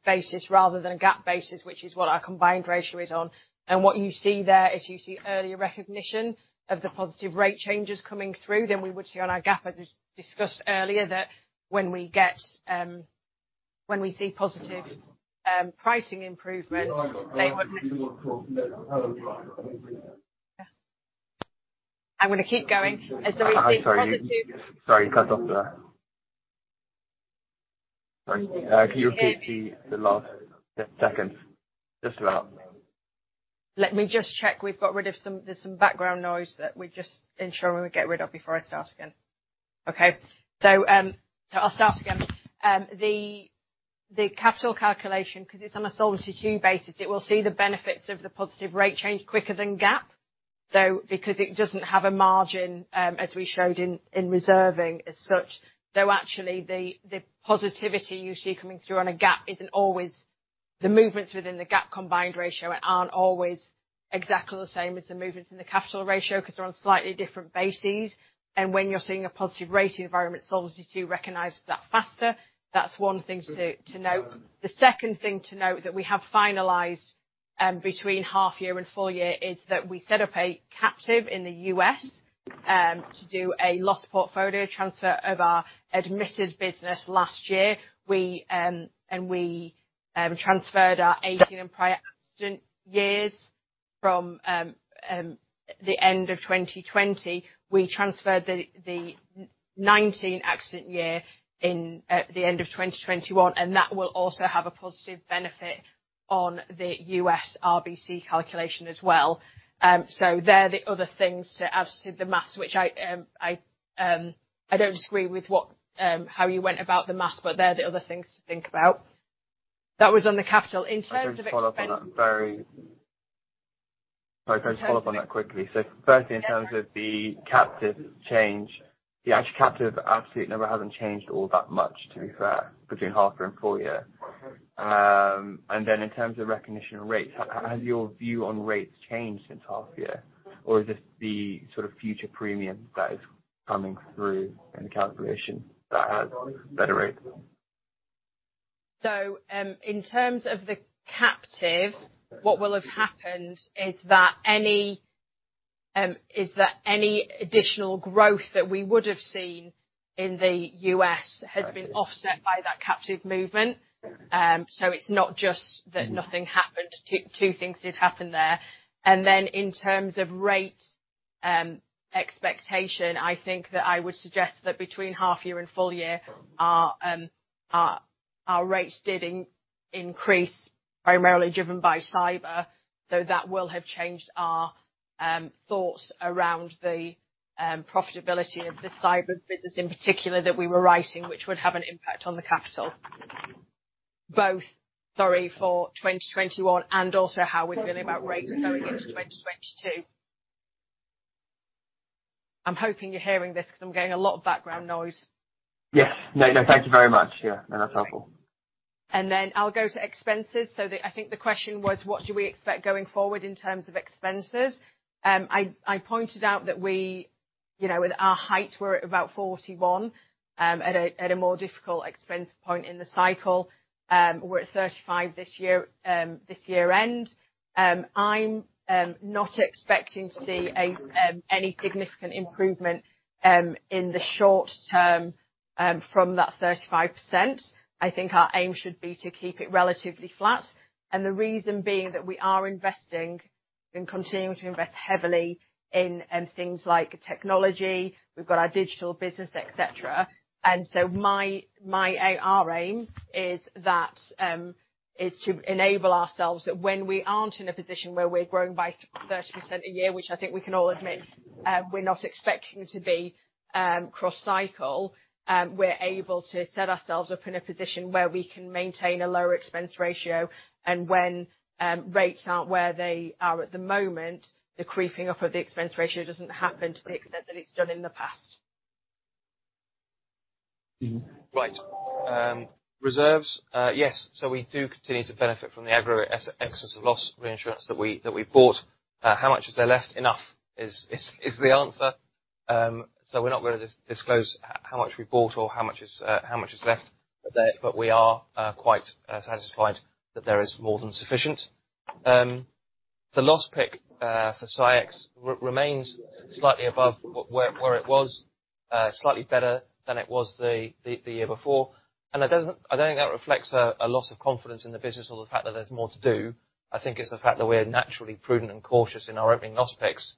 Speaker 3: basis rather than a GAAP basis, which is what our combined ratio is on. What you see there is earlier recognition of the positive rate changes coming through than we would see on our GAAP. I just discussed earlier that when we see positive pricing improvements. I'm gonna keep going as we see positive.
Speaker 8: Sorry. Sorry, you cut off there. Sorry.
Speaker 3: Okay.
Speaker 8: Can you repeat the last just second? Just that.
Speaker 3: Let me check we've got rid of some background noises. We just make sure we get rid of it before we start again. The capital calculation, 'cause it's on a Solvency II basis, it will see the benefits of the positive rate change quicker than GAAP, though, because it doesn't have a margin, as we showed in reserving as such. Though actually the positivity you see coming through on a GAAP isn't always exactly the same as the movements in the capital ratio 'cause they're on slightly different bases. When you're seeing a positive rate environment, Solvency II recognizes that faster. That's one thing to note. The second thing to note that we have finalized between half year and full year is that we set up a captive in the U.S. to do a loss portfolio transfer of our admitted business last year. We transferred our 18 and prior accident years from the end of 2020. We transferred the 19 accident year in the end of 2021, and that will also have a positive benefit on the U.S. RBC calculation as well. They're the other things to add to the math, which I don't disagree with how you went about the math, but they're the other things to think about. That was on the capital. In terms of expe-
Speaker 8: Can I just follow up on that quickly?
Speaker 3: Sure.
Speaker 8: Firstly, in terms of the captive change, the actual captive absolute number hasn't changed all that much, to be fair, between half year and full year. In terms of recognition rates, has your view on rates changed since half year? Or is this the sort of future premium that is coming through in the calculation that has better rates?
Speaker 3: In terms of the captive, what will have happened is that any additional growth that we would have seen in the U.S. has been offset by that captive movement. It's not just that nothing happened. Two things did happen there. In terms of rate expectation, I think that I would suggest that between half year and full year, our rates did increase, primarily driven by cyber. That will have changed our thoughts around the profitability of the cyber business in particular that we were writing, which would have an impact on the capital, both, sorry, for 2021 and also how we're feeling about rates going into 2022. I'm hoping you're hearing this because I'm getting a lot of background noise.
Speaker 8: Yes. No, no, thank you very much. Yeah. No, that's helpful.
Speaker 3: Then I'll go to expenses. I think the question was: What do we expect going forward in terms of expenses? I pointed out that we, you know, with our high, we're at about 41, at a more difficult expense point in the cycle. We're at 35 this year-end. I'm not expecting to see any significant improvement in the short term from that 35%. I think our aim should be to keep it relatively flat. The reason being that we are investing and continuing to invest heavily in things like technology. We've got our digital business, etc. Our aim is to enable ourselves that when we aren't in a position where we're growing by 30% a year, which I think we can all admit, we're not expecting to be cross-cycle, we're able to set ourselves up in a position where we can maintain a lower expense ratio. When rates aren't where they are at the moment, the creeping up of the expense ratio doesn't happen to the extent that it's done in the past.
Speaker 2: Right. Reserves. Yes. We do continue to benefit from the aggregate excess of loss reinsurance that we bought. How much is there left? Enough is the answer. We're not going to disclose how much we bought or how much is left there, but we are quite satisfied that there is more than sufficient. The loss pick for CyEx remains slightly above where it was, slightly better than it was the year before. That doesn't reflect a loss of confidence in the business or the fact that there's more to do. I think it's the fact that we're naturally prudent and cautious in our opening loss picks.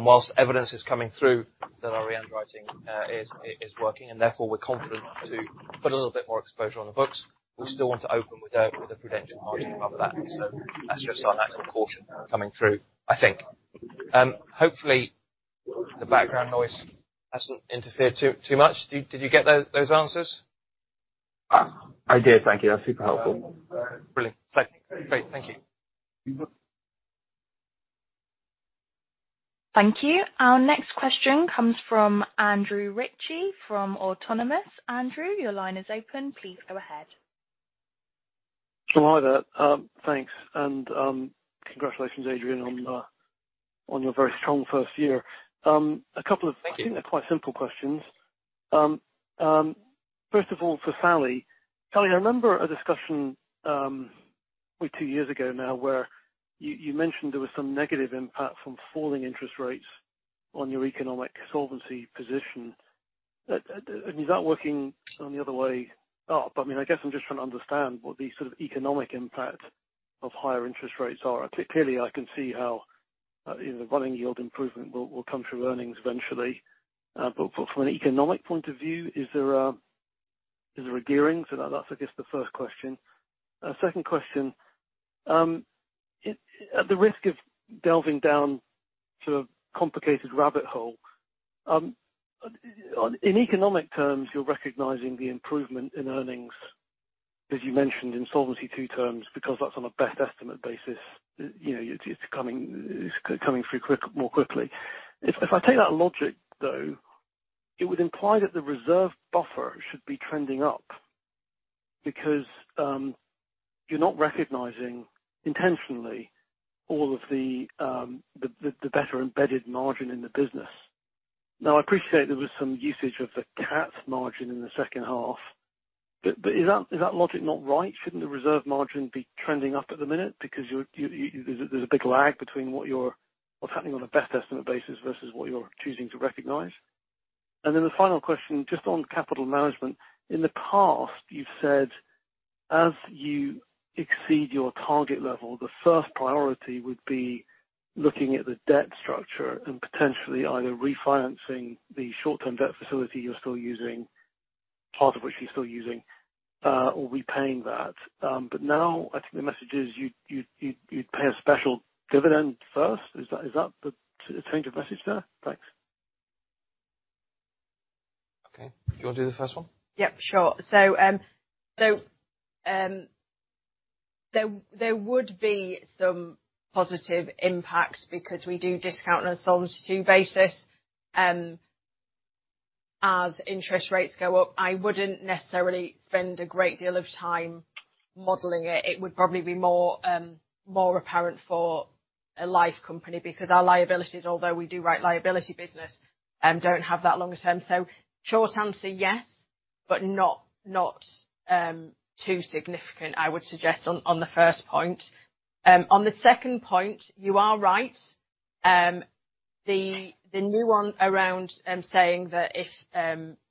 Speaker 2: While evidence is coming through that our re-underwriting is working, and therefore we're confident to put a little bit more exposure on the books, we still want to open with a prudential margin above that. That's just our natural caution coming through, I think. Hopefully the background noise hasn't interfered too much. Did you get those answers?
Speaker 8: I did. Thank you. That's super helpful.
Speaker 2: Brilliant. So like. Great. Thank you.
Speaker 1: Thank you. Our next question comes from Andrew Ritchie from Autonomous. Andrew, your line is open. Please go ahead.
Speaker 9: Hi there. Thanks. Congratulations, Adrian, on your very strong first year. A couple of
Speaker 2: Thank you.
Speaker 9: I think they're quite simple questions. First of all, for Sally. Sally, I remember a discussion, probably two years ago now, where you mentioned there was some negative impact from falling interest rates on your economic solvency position. Is that working the other way up? I mean, I guess I'm just trying to understand what the sort of economic impact of higher interest rates are. Clearly I can see how, you know, the running yield improvement will come through earnings eventually. But from an economic point of view, is there a gearing? That's, I guess, the first question. Second question. At the risk of delving down to a complicated rabbit hole, in economic terms, you're recognizing the improvement in earnings, as you mentioned, in Solvency II terms, because that's on a best estimate basis. You know, it's coming through more quickly. If I take that logic though, it would imply that the reserve buffer should be trending up because you're not recognizing intentionally all of the better embedded margin in the business. Now, I appreciate there was some usage of the cat margin in the second half, but is that logic not right? Shouldn't the reserve margin be trending up at the minute because there's a big lag between what's happening on a best estimate basis versus what you're choosing to recognize. The final question, just on capital management. In the past you've said as you exceed your target level, the first priority would be looking at the debt structure and potentially either refinancing the short-term debt facility you're still using, part of which you're still using, or repaying that. Now I think the message is you'd pay a special dividend first. Is that the change of message there? Thanks.
Speaker 2: Okay. Do you wanna do the first one?
Speaker 3: Yep, sure. There would be some positive impacts because we do discount on a Solvency II basis. As interest rates go up, I wouldn't necessarily spend a great deal of time modeling it. It would probably be more apparent for a life company because our liabilities, although we do write liability business, don't have that longer term. Short answer, yes, but not too significant, I would suggest on the first point. On the second point, you are right. The nuance around saying that if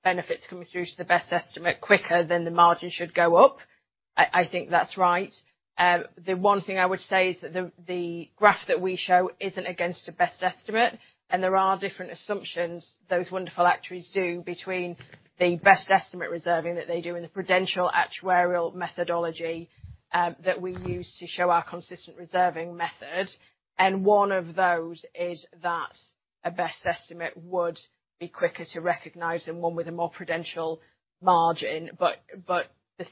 Speaker 3: benefits coming through to the best estimate quicker, then the margin should go up. I think that's right. The one thing I would say is that the graph that we show isn't against the best estimate, and there are different assumptions those wonderful actuaries do between the best estimate reserving that they do and the Prudential Actuarial methodology that we use to show our consistent reserving method. One of those is that a best estimate would be quicker to recognize than one with a more Prudential margin. The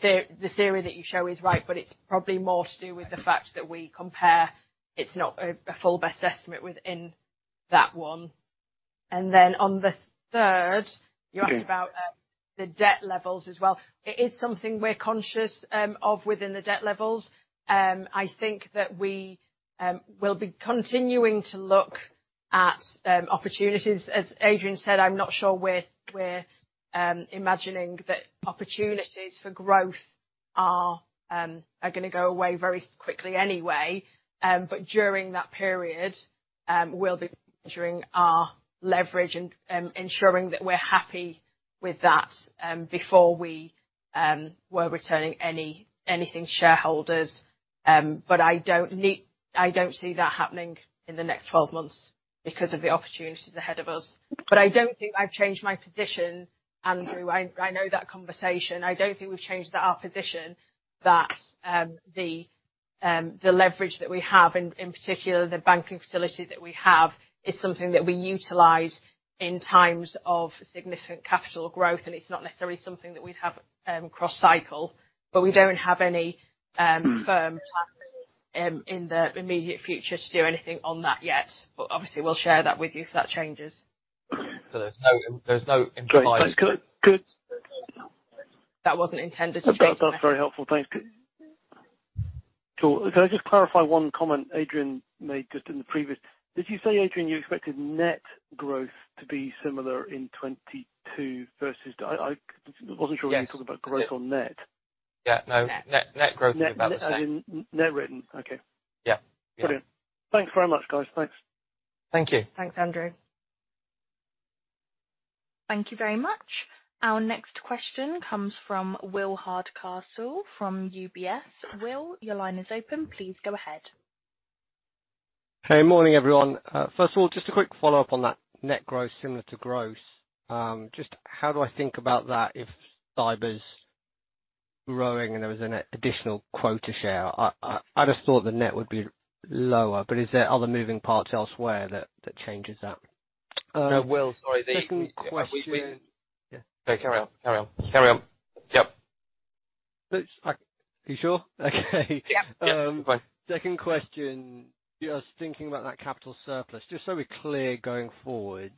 Speaker 3: theory that you show is right, but it's probably more to do with the fact that we compare. It's not a full best estimate within that one. On the third, you asked about the debt levels as well. It is something we're conscious of within the debt levels. I think that we will be continuing to look at opportunities. As Adrian said, I'm not sure we're imagining that opportunities for growth are gonna go away very quickly anyway. During that period, we'll be measuring our leverage and ensuring that we're happy with that before we're returning anything to shareholders. I don't see that happening in the next 12 months because of the opportunities ahead of us. I don't think I've changed my position, Andrew. I know that conversation. I don't think we've changed our position that the leverage that we have, in particular the banking facility that we have, is something that we utilize in times of significant capital growth, and it's not necessarily something that we'd have cross-cycle. We don't have any firm plans in the immediate future to do anything on that yet. But obviously we'll share that with you if that changes.
Speaker 2: There's no implied.
Speaker 9: Great. That's good. Good.
Speaker 3: That wasn't intended to change.
Speaker 9: That's very helpful. Thanks. Cool. Can I just clarify one comment Adrian made just in the previous? Did you say, Adrian, you expected net growth to be similar in 2022 versus? I wasn't sure whether-
Speaker 2: Yes.
Speaker 9: You were talking about growth or net.
Speaker 2: Yeah. No.
Speaker 3: Net.
Speaker 2: Net net growth in about net.
Speaker 9: As in net written. Okay.
Speaker 2: Yeah. Yeah.
Speaker 9: Brilliant. Thanks very much, guys. Thanks.
Speaker 2: Thank you.
Speaker 3: Thanks, Andrew.
Speaker 1: Thank you very much. Our next question comes from Will Hardcastle from UBS. Will, your line is open. Please go ahead.
Speaker 10: Hey. Morning, everyone. First of all, just a quick follow-up on that net growth similar to gross. Just how do I think about that if cyber's growing and there was an additional quota share? I just thought the net would be lower, but is there other moving parts elsewhere that changes that?
Speaker 2: No, Will. Sorry. We
Speaker 10: Second question. Yeah.
Speaker 2: No, carry on. Yep.
Speaker 10: It's like, are you sure? Okay.
Speaker 2: Yeah. Yep. Go on.
Speaker 10: Second question. Just thinking about that capital surplus, just so we're clear going forward,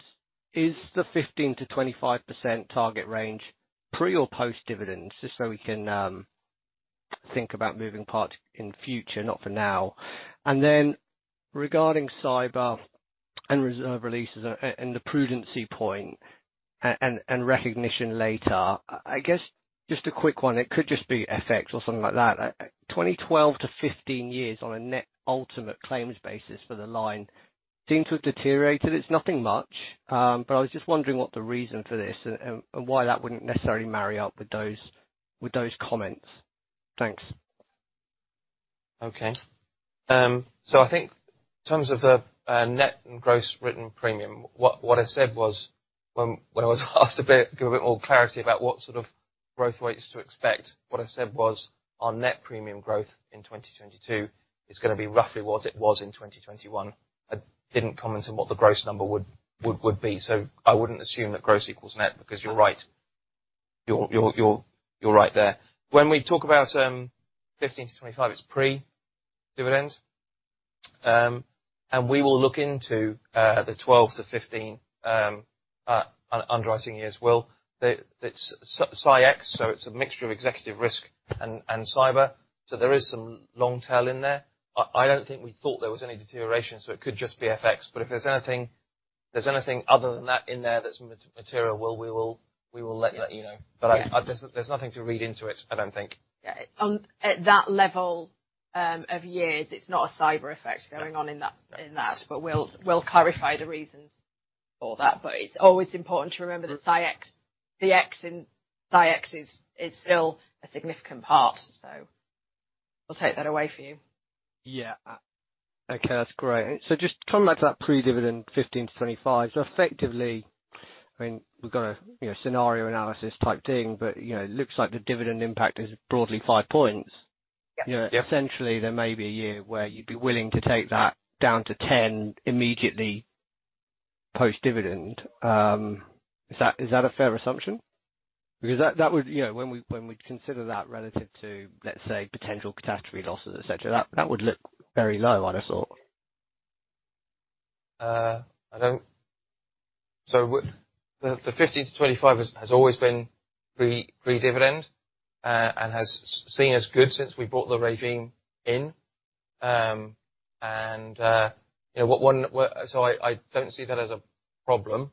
Speaker 10: is the 15%-25% target range pre or post-dividends, just so we can think about moving parts in future, not for now. Then regarding cyber and reserve releases and the prudence point and recognition later, I guess just a quick one. It could just be FX or something like that. 2012-2015 years on a net ultimate claims basis for the line seem to have deteriorated. It's nothing much, but I was just wondering what the reason for this and why that wouldn't necessarily marry up with those comments. Thanks.
Speaker 2: Okay. I think in terms of the net and gross written premium, what I said was when I was asked to give a bit more clarity about what sort of growth rates to expect, what I said was our net premium growth in 2022 is gonna be roughly what it was in 2021. I didn't comment on what the gross number would be. I wouldn't assume that gross equals net, because you're right. You're right there. When we talk about 15%-25%, it's pre-dividend. And we will look into the 2012-2015 underwriting years. Well, it's CyEx, so it's a mixture of executive risk and cyber. There is some long tail in there. I don't think we thought there was any deterioration, so it could just be FX. If there's anything other than that in there that's material, Will, we will let you know.
Speaker 10: Yeah.
Speaker 2: There's nothing to read into it, I don't think.
Speaker 3: Yeah. At that level of years, it's not a cyber effect going on in that. We'll clarify the reasons for that. It's always important to remember the CyEx. The Ex in CyEx is still a significant part, so I'll take that away for you.
Speaker 10: Yeah. Okay, that's great. Just coming back to that pre-dividend 15%-25%. Effectively, I mean, we've got a you know, scenario analysis type thing, but you know, it looks like the dividend impact is broadly 5 points.
Speaker 3: Yep.
Speaker 10: You know, essentially, there may be a year where you'd be willing to take that down to 10 immediately post-dividend. Is that a fair assumption? Because that would look very low, you know, when we consider that relative to, let's say, potential catastrophe losses, et cetera, I'd have thought.
Speaker 2: The 15%-25% has always been pre-dividend and has been seen as good since we brought the regime in. I don't see that as a problem.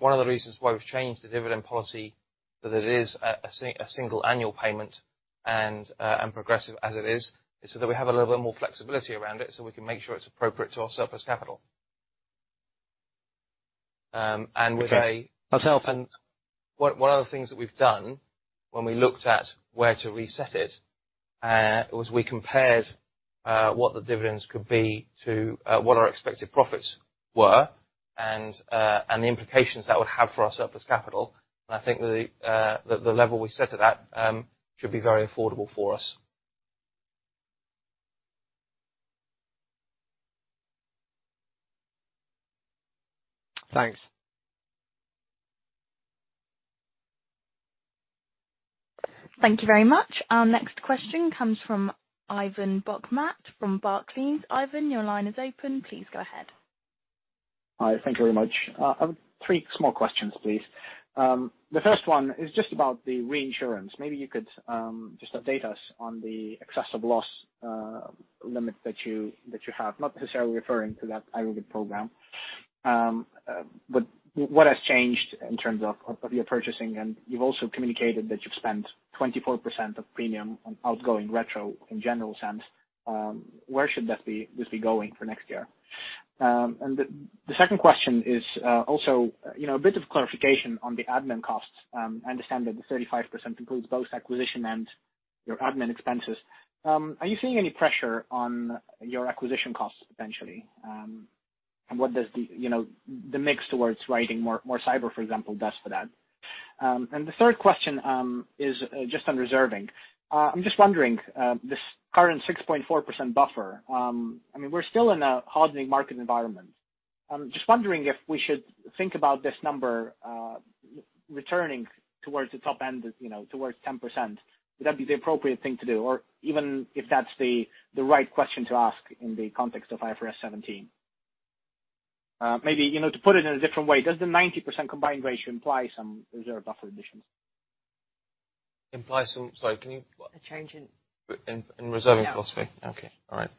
Speaker 2: One of the reasons why we've changed the dividend policy so that it is a single annual payment and progressive as it is so that we have a little bit more flexibility around it, so we can make sure it's appropriate to our surplus capital.
Speaker 10: Okay. That's helpful.
Speaker 2: One of the things that we've done when we looked at where to reset it was we compared what the dividends could be to what our expected profits were and the implications that would have for our surplus capital. I think the level we set to that should be very affordable for us.
Speaker 10: Thanks.
Speaker 1: Thank you very much. Our next question comes from Ivan Bokhmat from Barclays. Ivan, your line is open. Please go ahead.
Speaker 11: Hi. Thank you very much. I have three small questions, please. The first one is just about the reinsurance. Maybe you could just update us on the excess of loss limit that you have. Not necessarily referring to that aggregate program. But what has changed in terms of your purchasing? And you've also communicated that you've spent 24% of premium on outgoing retro in general sense. Where should this be going for next year? And the second question is also, you know, a bit of clarification on the admin costs. I understand that the 35% includes both acquisition and your admin expenses. Are you seeing any pressure on your acquisition costs potentially? And what does the, you know, the mix towards writing more cyber, for example, does for that? The third question is just on reserving. I'm just wondering this current 6.4% buffer. I mean, we're still in a hardening market environment. I'm just wondering if we should think about this number returning towards the top end of, you know, towards 10%. Would that be the appropriate thing to do? Or even if that's the right question to ask in the context of IFRS 17. Maybe, you know, to put it in a different way, does the 90% combined ratio imply some reserve buffer additions?
Speaker 2: Sorry, can you
Speaker 3: A change in-
Speaker 2: In reserving philosophy?
Speaker 3: Yeah.
Speaker 2: Okay. All right.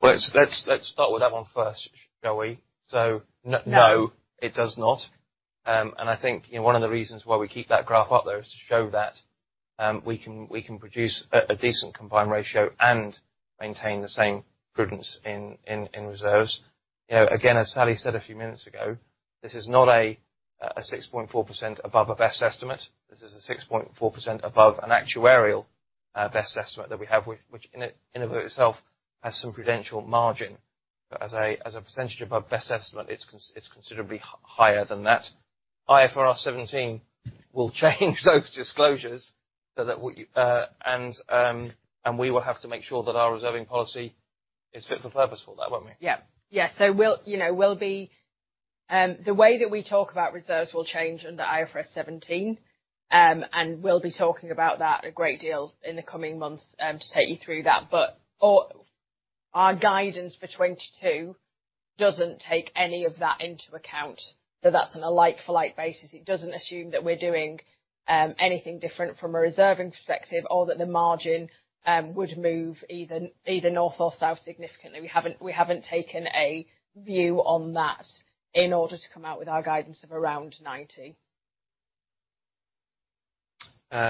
Speaker 2: Well, let's start with that one first, shall we? No, it does not. I think, you know, one of the reasons why we keep that graph up there is to show that we can produce a decent combined ratio and maintain the same prudence in reserves. You know, again, as Sally said a few minutes ago, this is not a 6.4% above a best estimate. This is a 6.4% above an actuarial best estimate that we have. Which in and of itself has some prudential margin. As a percentage of our best estimate, it's considerably higher than that. IFRS 17 will change those disclosures so that we will have to make sure that our reserving policy is fit for purpose for that, won't we?
Speaker 3: The way that we talk about reserves will change under IFRS 17. We'll be talking about that a great deal in the coming months to take you through that. Our guidance for 2022 doesn't take any of that into account. That's on a like-for-like basis. It doesn't assume that we're doing anything different from a reserving perspective or that the margin would move either north or south significantly. We haven't taken a view on that in order to come out with our guidance of around 90%.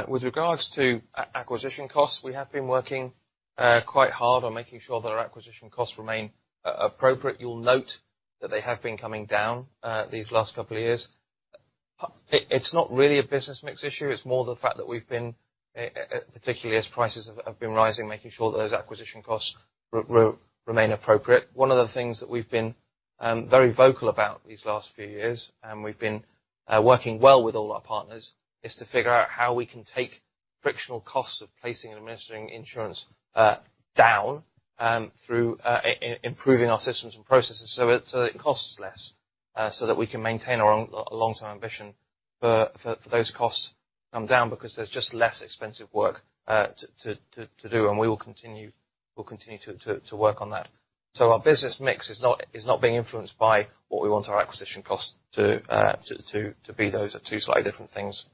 Speaker 2: With regards to acquisition costs, we have been working quite hard on making sure that our acquisition costs remain appropriate. You'll note that they have been coming down these last couple of years. It's not really a business mix issue, it's more the fact that we've been particularly as prices have been rising, making sure that those acquisition costs remain appropriate. One of the things that we've been very vocal about these last few years, and we've been working well with all our partners, is to figure out how we can take frictional costs of placing and administering insurance down through improving our systems and processes so it costs less, so that we can maintain our long-term ambition for those costs to come down because there's just less expensive work to do, and we will continue, we'll continue to work on that. Our business mix is not being influenced by what we want our acquisition costs to be. Those are two slightly different things.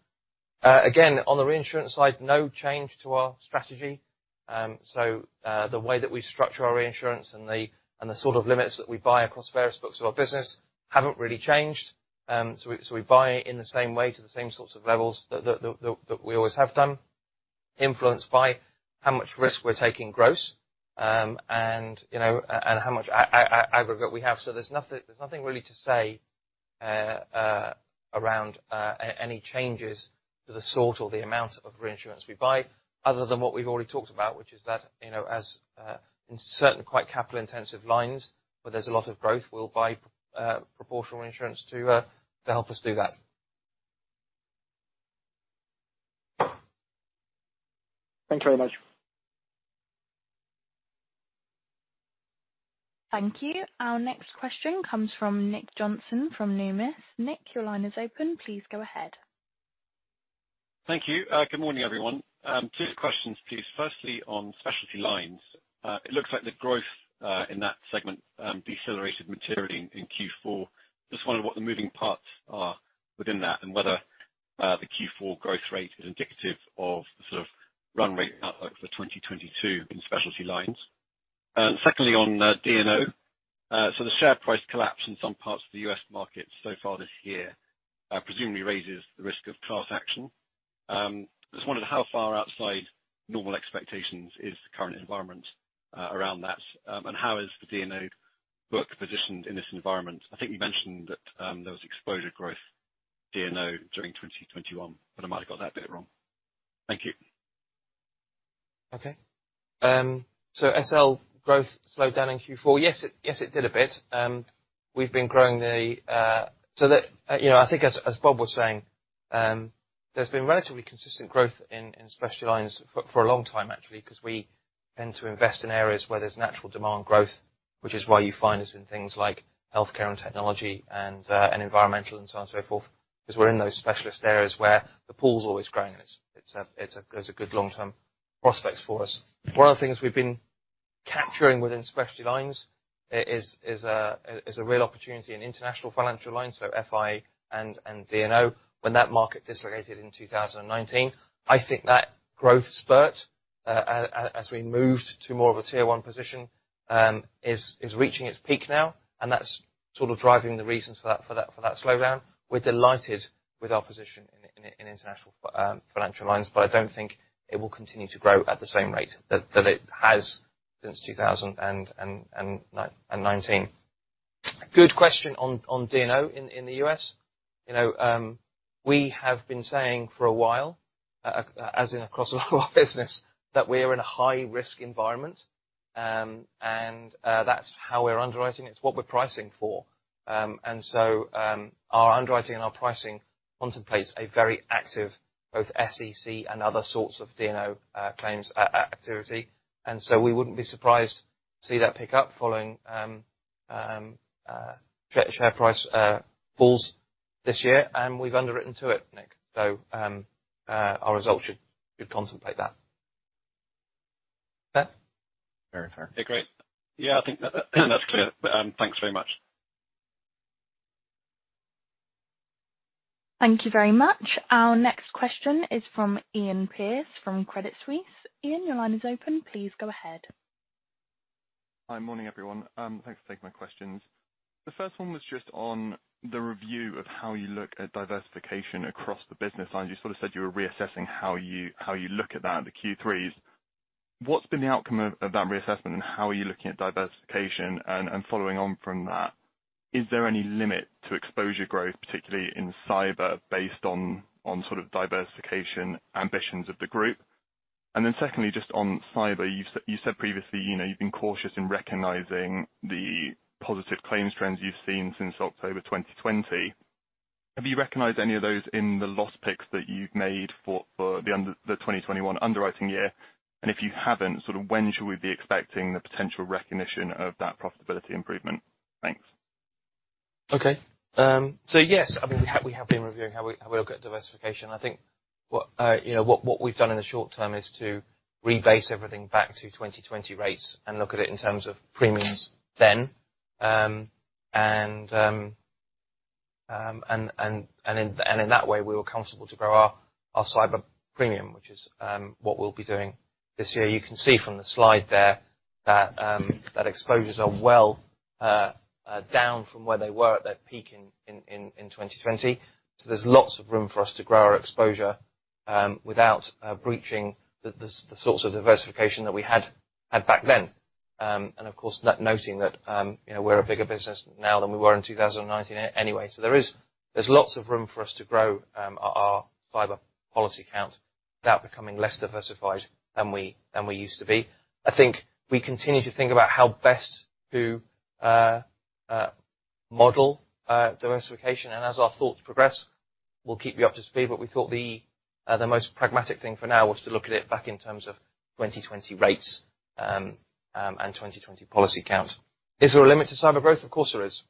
Speaker 2: Again, on the reinsurance side, no change to our strategy. The way that we structure our reinsurance and the sort of limits that we buy across various books of our business haven't really changed. We buy in the same way to the same sorts of levels that we always have done, influenced by how much risk we're taking gross, and you know how much aggregate we have. There's nothing really to say around any changes to the sort or the amount of reinsurance we buy, other than what we've already talked about, which is that, you know, as in certain quite capital intensive lines where there's a lot of growth, we'll buy proportional insurance to help us do that.
Speaker 3: Thank you very much.
Speaker 1: Thank you. Our next question comes from Nick Johnson from Numis. Nick, your line is open. Please go ahead.
Speaker 12: Thank you. Good morning, everyone. Two questions, please. Firstly, on specialty lines. It looks like the growth in that segment decelerated materially in Q4. Just wondering what the moving parts are within that, and whether the Q4 growth rate is indicative of the sort of run rate out for 2022 in specialty lines. Secondly on D&O. The share price collapse in some parts of the U.S. market so far this year presumably raises the risk of class action. Just wondering how far outside normal expectations is the current environment around that. How is the D&O book positioned in this environment? I think you mentioned that there was exposure growth D&O during 2021, but I might have got that bit wrong. Thank you.
Speaker 2: Okay. SL growth slowed down in Q4. Yes, it did a bit. You know, I think as Bob was saying, there's been relatively consistent growth in specialty lines for a long time actually, 'cause we tend to invest in areas where there's natural demand growth, which is why you find us in things like healthcare and technology and environmental and so on and so forth, 'cause we're in those specialist areas where the pool's always growing and it's a good long-term prospects for us. One of the things we've been capturing within specialty lines is a real opportunity in international financial lines, so FI and D&O. When that market dislocated in 2019, I think that growth spurt, as we moved to more of a tier one position, is reaching its peak now, and that's sort of driving the reasons for that slowdown. We're delighted with our position in international financial lines, but I don't think it will continue to grow at the same rate that it has since 2019. Good question on D&O in the U.S. You know, we have been saying for a while, as in across our business, that we are in a high risk environment, and that's how we're underwriting. It's what we're pricing for. Our underwriting and our pricing contemplates a very active, both SEC and other sorts of D&O, claims activity. We wouldn't be surprised to see that pick up following share price falls this year, and we've underwritten to it, Nick. Our results should contemplate that. That?
Speaker 12: Very clear. Great. Yeah, I think that that's clear. Thanks very much.
Speaker 1: Thank you very much. Our next question is from Iain Pearce from Credit Suisse. Iain, your line is open. Please go ahead.
Speaker 13: Hi. Morning, everyone. Thanks for taking my questions. The first one was just on the review of how you look at diversification across the business lines. You sort of said you were reassessing how you look at that in the Q3s. What's been the outcome of that reassessment, and how are you looking at diversification? Following on from that, is there any limit to exposure growth, particularly in cyber, based on sort of diversification ambitions of the group? Then secondly, just on cyber, you said previously, you know, you've been cautious in recognizing the positive claims trends you've seen since October 2020. Have you recognized any of those in the loss picks that you've made for the 2021 underwriting year? If you haven't, sort of when should we be expecting the potential recognition of that profitability improvement? Thanks.
Speaker 2: Okay. Yes. I mean, we have been reviewing how we look at diversification. I think what, you know, what we've done in the short term is to rebase everything back to 2020 rates and look at it in terms of premiums then. In that way, we were comfortable to grow our cyber premium, which is what we'll be doing this year. You can see from the slide there that exposures are well down from where they were at their peak in 2020. There's lots of room for us to grow our exposure without breaching the sorts of diversification that we had back then. Of course, not noting that, you know, we're a bigger business now than we were in 2019 anyway. There is lots of room for us to grow our cyber policy count without becoming less diversified than we used to be. I think we continue to think about how best to model diversification. As our thoughts progress, we'll keep you up to speed. We thought the most pragmatic thing for now was to look at it back in terms of 2020 rates and 2020 policy counts. Is there a limit to cyber growth? Of course there is.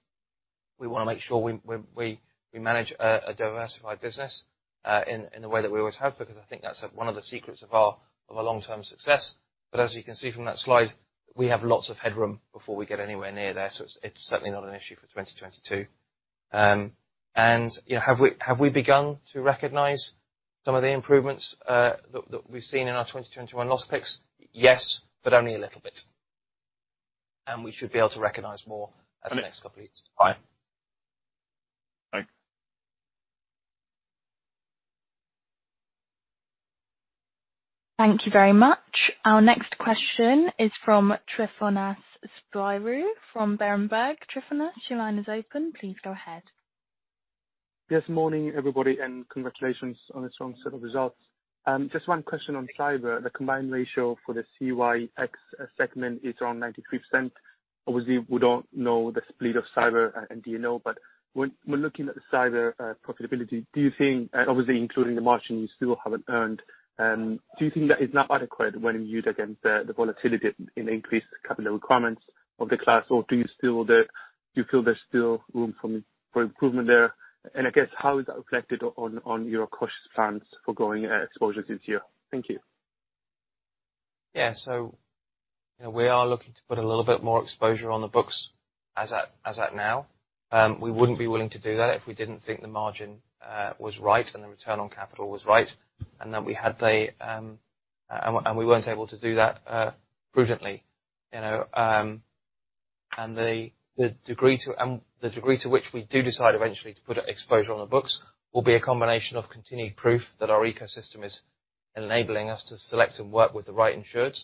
Speaker 2: We wanna make sure we manage a diversified business in the way that we always have, because I think that's one of the secrets of our long-term success. As you can see from that slide, we have lots of headroom before we get anywhere near there, so it's certainly not an issue for 2022. You know, have we begun to recognize some of the improvements that we've seen in our 2021 loss picks? Yes, but only a little bit. We should be able to recognize more at the next couple of years. Bye.
Speaker 13: Thanks.
Speaker 1: Thank you very much. Our next question is from Tryfonas Spyrou from Berenberg. Tryfonas, your line is open. Please go ahead.
Speaker 14: Yes. Morning, everybody, and congratulations on a strong set of results. Just one question on cyber. The combined ratio for the CyEx segment is around 93%. Obviously, we don't know the split of cyber and D&O. When looking at the cyber profitability, do you think that is now adequate when viewed against the volatility in increased capital requirements of the class, or do you feel there's still room for improvement there? Obviously including the margin you still haven't earned, do you think that is now adequate? I guess, how is that reflected on your cautious plans for growing exposures this year? Thank you.
Speaker 2: Yeah. You know, we are looking to put a little bit more exposure on the books as at now. We wouldn't be willing to do that if we didn't think the margin was right, and the return on capital was right, and that we had the and we weren't able to do that prudently. You know, and the degree to which we do decide eventually to put exposure on the books will be a combination of continued proof that our ecosystem is enabling us to select and work with the right insureds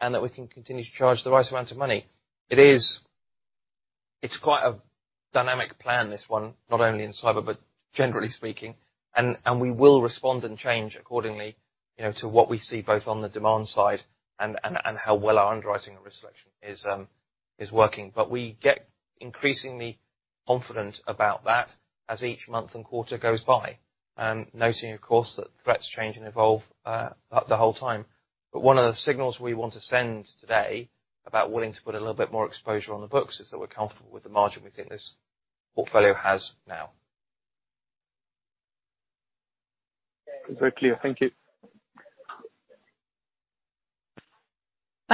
Speaker 2: and that we can continue to charge the right amount of money. It is. It's quite a dynamic plan, this one. Not only in cyber, but generally speaking. We will respond and change accordingly, you know, to what we see both on the demand side and how well our underwriting and risk selection is working. We get increasingly confident about that as each month and quarter goes by. Noting of course that threats change and evolve the whole time. One of the signals we want to send today about willing to put a little bit more exposure on the books is that we're comfortable with the margin we think this portfolio has now.
Speaker 14: Very clear. Thank you.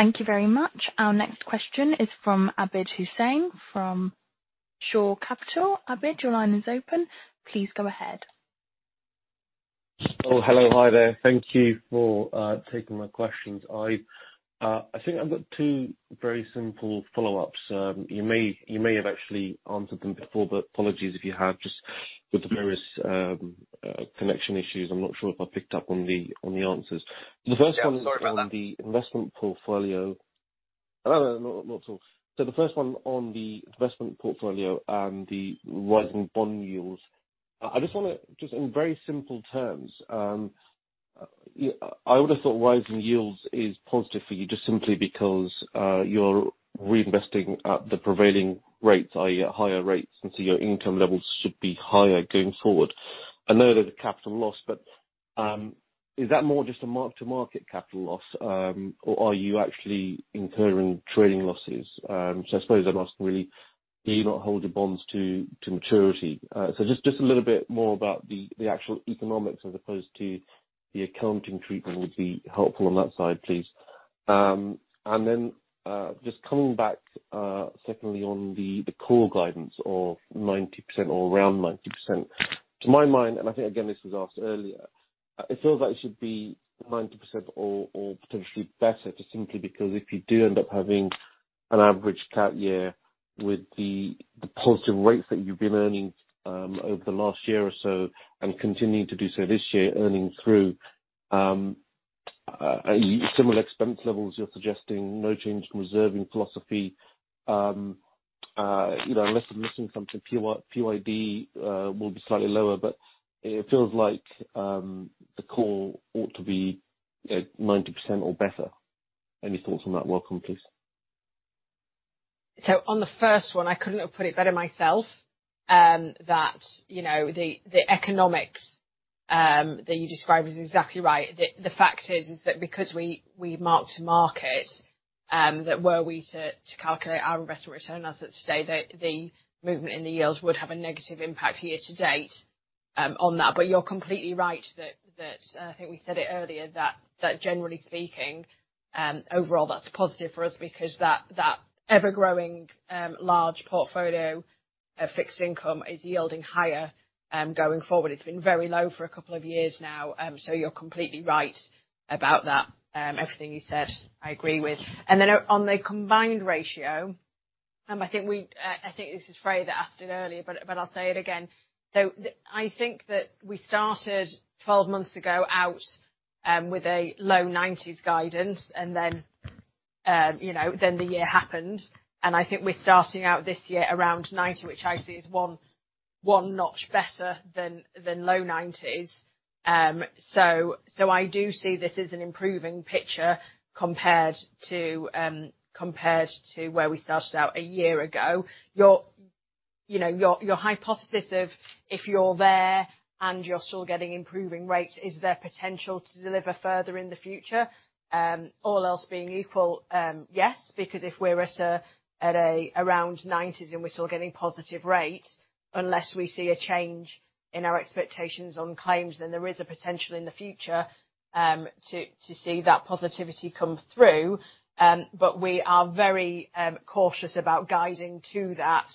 Speaker 1: Thank you very much. Our next question is from Abid Hussain from Shore Capital. Abid, your line is open. Please go ahead.
Speaker 15: Oh, hello. Hi there. Thank you for taking my questions. I think I've got two very simple follow-ups. You may have actually answered them before, but apologies if you have. Just with the various connection issues, I'm not sure if I picked up on the answers.
Speaker 2: Yeah, sorry about that.
Speaker 15: The first one is on the investment portfolio. No, not at all. The first one on the investment portfolio and the rising bond yields. I just wanna. Just in very simple terms, I would have thought rising yields is positive for you just simply because, you're reinvesting at the prevailing rates, i.e. higher rates, and so your income levels should be higher going forward. I know there's a capital loss, but, is that more just a mark-to-market capital loss, or are you actually incurring trading losses? I suppose the question really, do you lot hold your bonds to maturity? Just a little bit more about the actual economics as opposed to the accounting treatment would be helpful on that side please. Just coming back, secondly on the core guidance of 90% or around 90%. To my mind, and I think again this was asked earlier, it feels like it should be 90% or potentially better, just simply because if you do end up having an average cat year with the positive rates that you've been earning over the last year or so, and continuing to do so this year, earnings through similar expense levels, you're suggesting no change in reserving philosophy. You know, unless I'm missing something, PYB will be slightly lower. It feels like the core ought to be, you know, 90% or better. Any thoughts on that welcome, please.
Speaker 3: On the first one, I couldn't have put it better myself, that, you know, the economics that you describe is exactly right. The fact is that because we mark to market, that were we to calculate our investor return as of today, the movement in the yields would have a negative impact year-to-date on that. You're completely right that, and I think we said it earlier, that generally speaking, overall, that's positive for us because that ever-growing large portfolio of fixed income is yielding higher going forward. It's been very low for a couple of years now, you're completely right about that. Everything you said, I agree with. Then on the combined ratio, I think we... I think this is Fred that asked it earlier, but I'll say it again. I think that we started 12 months ago out with a low 90s guidance and then, you know, then the year happened, and I think we're starting out this year around 90%, which I see is one notch better than low 90s. I do see this as an improving picture compared to where we started out a year ago. You know, your hypothesis of if you're there and you're still getting improving rates, is there potential to deliver further in the future? All else being equal, yes, because if we're at around 90s and we're still getting positive rates, unless we see a change in our expectations on claims, then there is a potential in the future to see that positivity come through. But we are very cautious about guiding to that,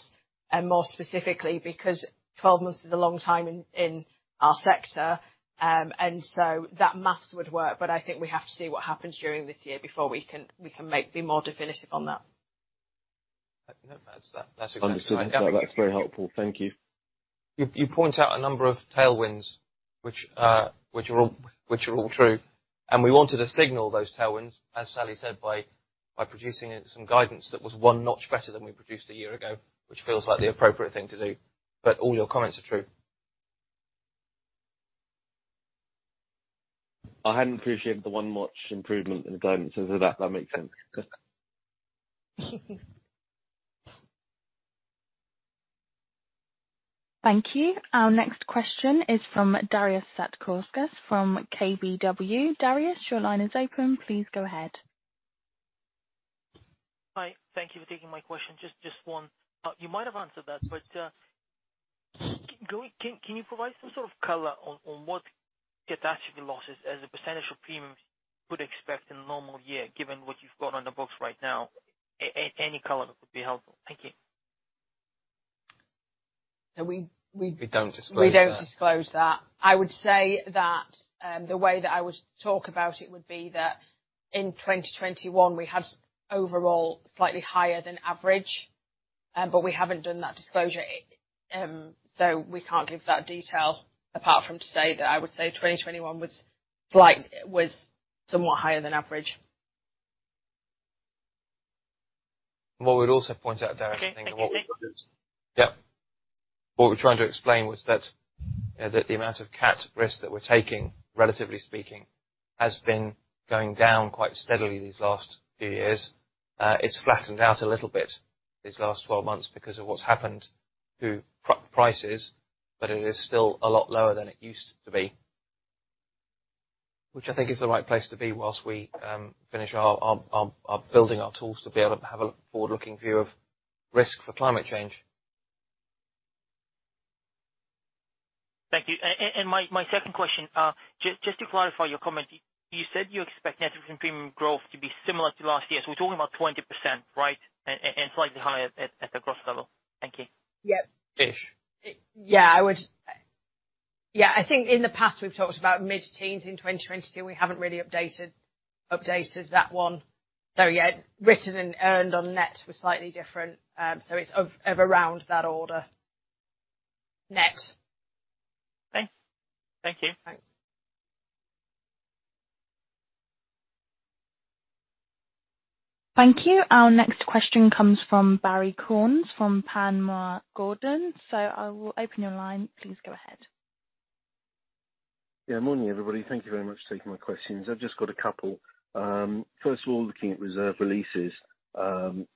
Speaker 3: and more specifically because 12 months is a long time in our sector. That math would work, but I think we have to see what happens during this year before we can be more definitive on that.
Speaker 15: Understood. That's very helpful. Thank you.
Speaker 2: You point out a number of tailwinds which are all true, and we wanted to signal those tailwinds, as Sally said, by producing some guidance that was one notch better than we produced a year ago, which feels like the appropriate thing to do. All your comments are true.
Speaker 15: I hadn't appreciated the one notch improvement in the guidance. That makes sense.
Speaker 1: Thank you. Our next question is from Darius Satkauskas from KBW. Darius, your line is open. Please go ahead.
Speaker 16: Hi. Thank you for taking my question. Just one. You might have answered that, but can you provide some sort of color on what catastrophe losses as a percentage of premiums we could expect in a normal year, given what you've got on the books right now? Any color would be helpful. Thank you.
Speaker 3: We
Speaker 2: We don't disclose that.
Speaker 3: We don't disclose that. I would say that the way that I would talk about it would be that in 2021 we had overall slightly higher than average, but we haven't done that disclosure. We can't give that detail apart from to say that I would say 2021 was somewhat higher than average.
Speaker 2: What we'd also point out, Darius, I think, and what we've got is. Yeah. What we're trying to explain was that that the amount of cat risk that we're taking, relatively speaking, has been going down quite steadily these last few years. It's flattened out a little bit these last 12 months because of what's happened to prices, but it is still a lot lower than it used to be. Which I think is the right place to be whilst we finish building our tools to be able to have a forward-looking view of risk for climate change.
Speaker 16: Thank you. My second question, just to clarify your comment. You said you expect net written premium growth to be similar to last year. We're talking about 20%, right? Slightly higher at the gross level. Thank you.
Speaker 3: Yep.
Speaker 2: Ish.
Speaker 3: I think in the past we've talked about mid-teens. In 2022 we haven't really updated that one though yet. Written and earned on net were slightly different. So it's of around that order net.
Speaker 16: Thanks. Thank you.
Speaker 3: Thanks.
Speaker 1: Thank you. Our next question comes from Barry Cornes from Panmure Gordon. I will open your line. Please go ahead.
Speaker 17: Yeah. Morning, everybody. Thank you very much for taking my questions. I've just got a couple. First of all, looking at reserve releases,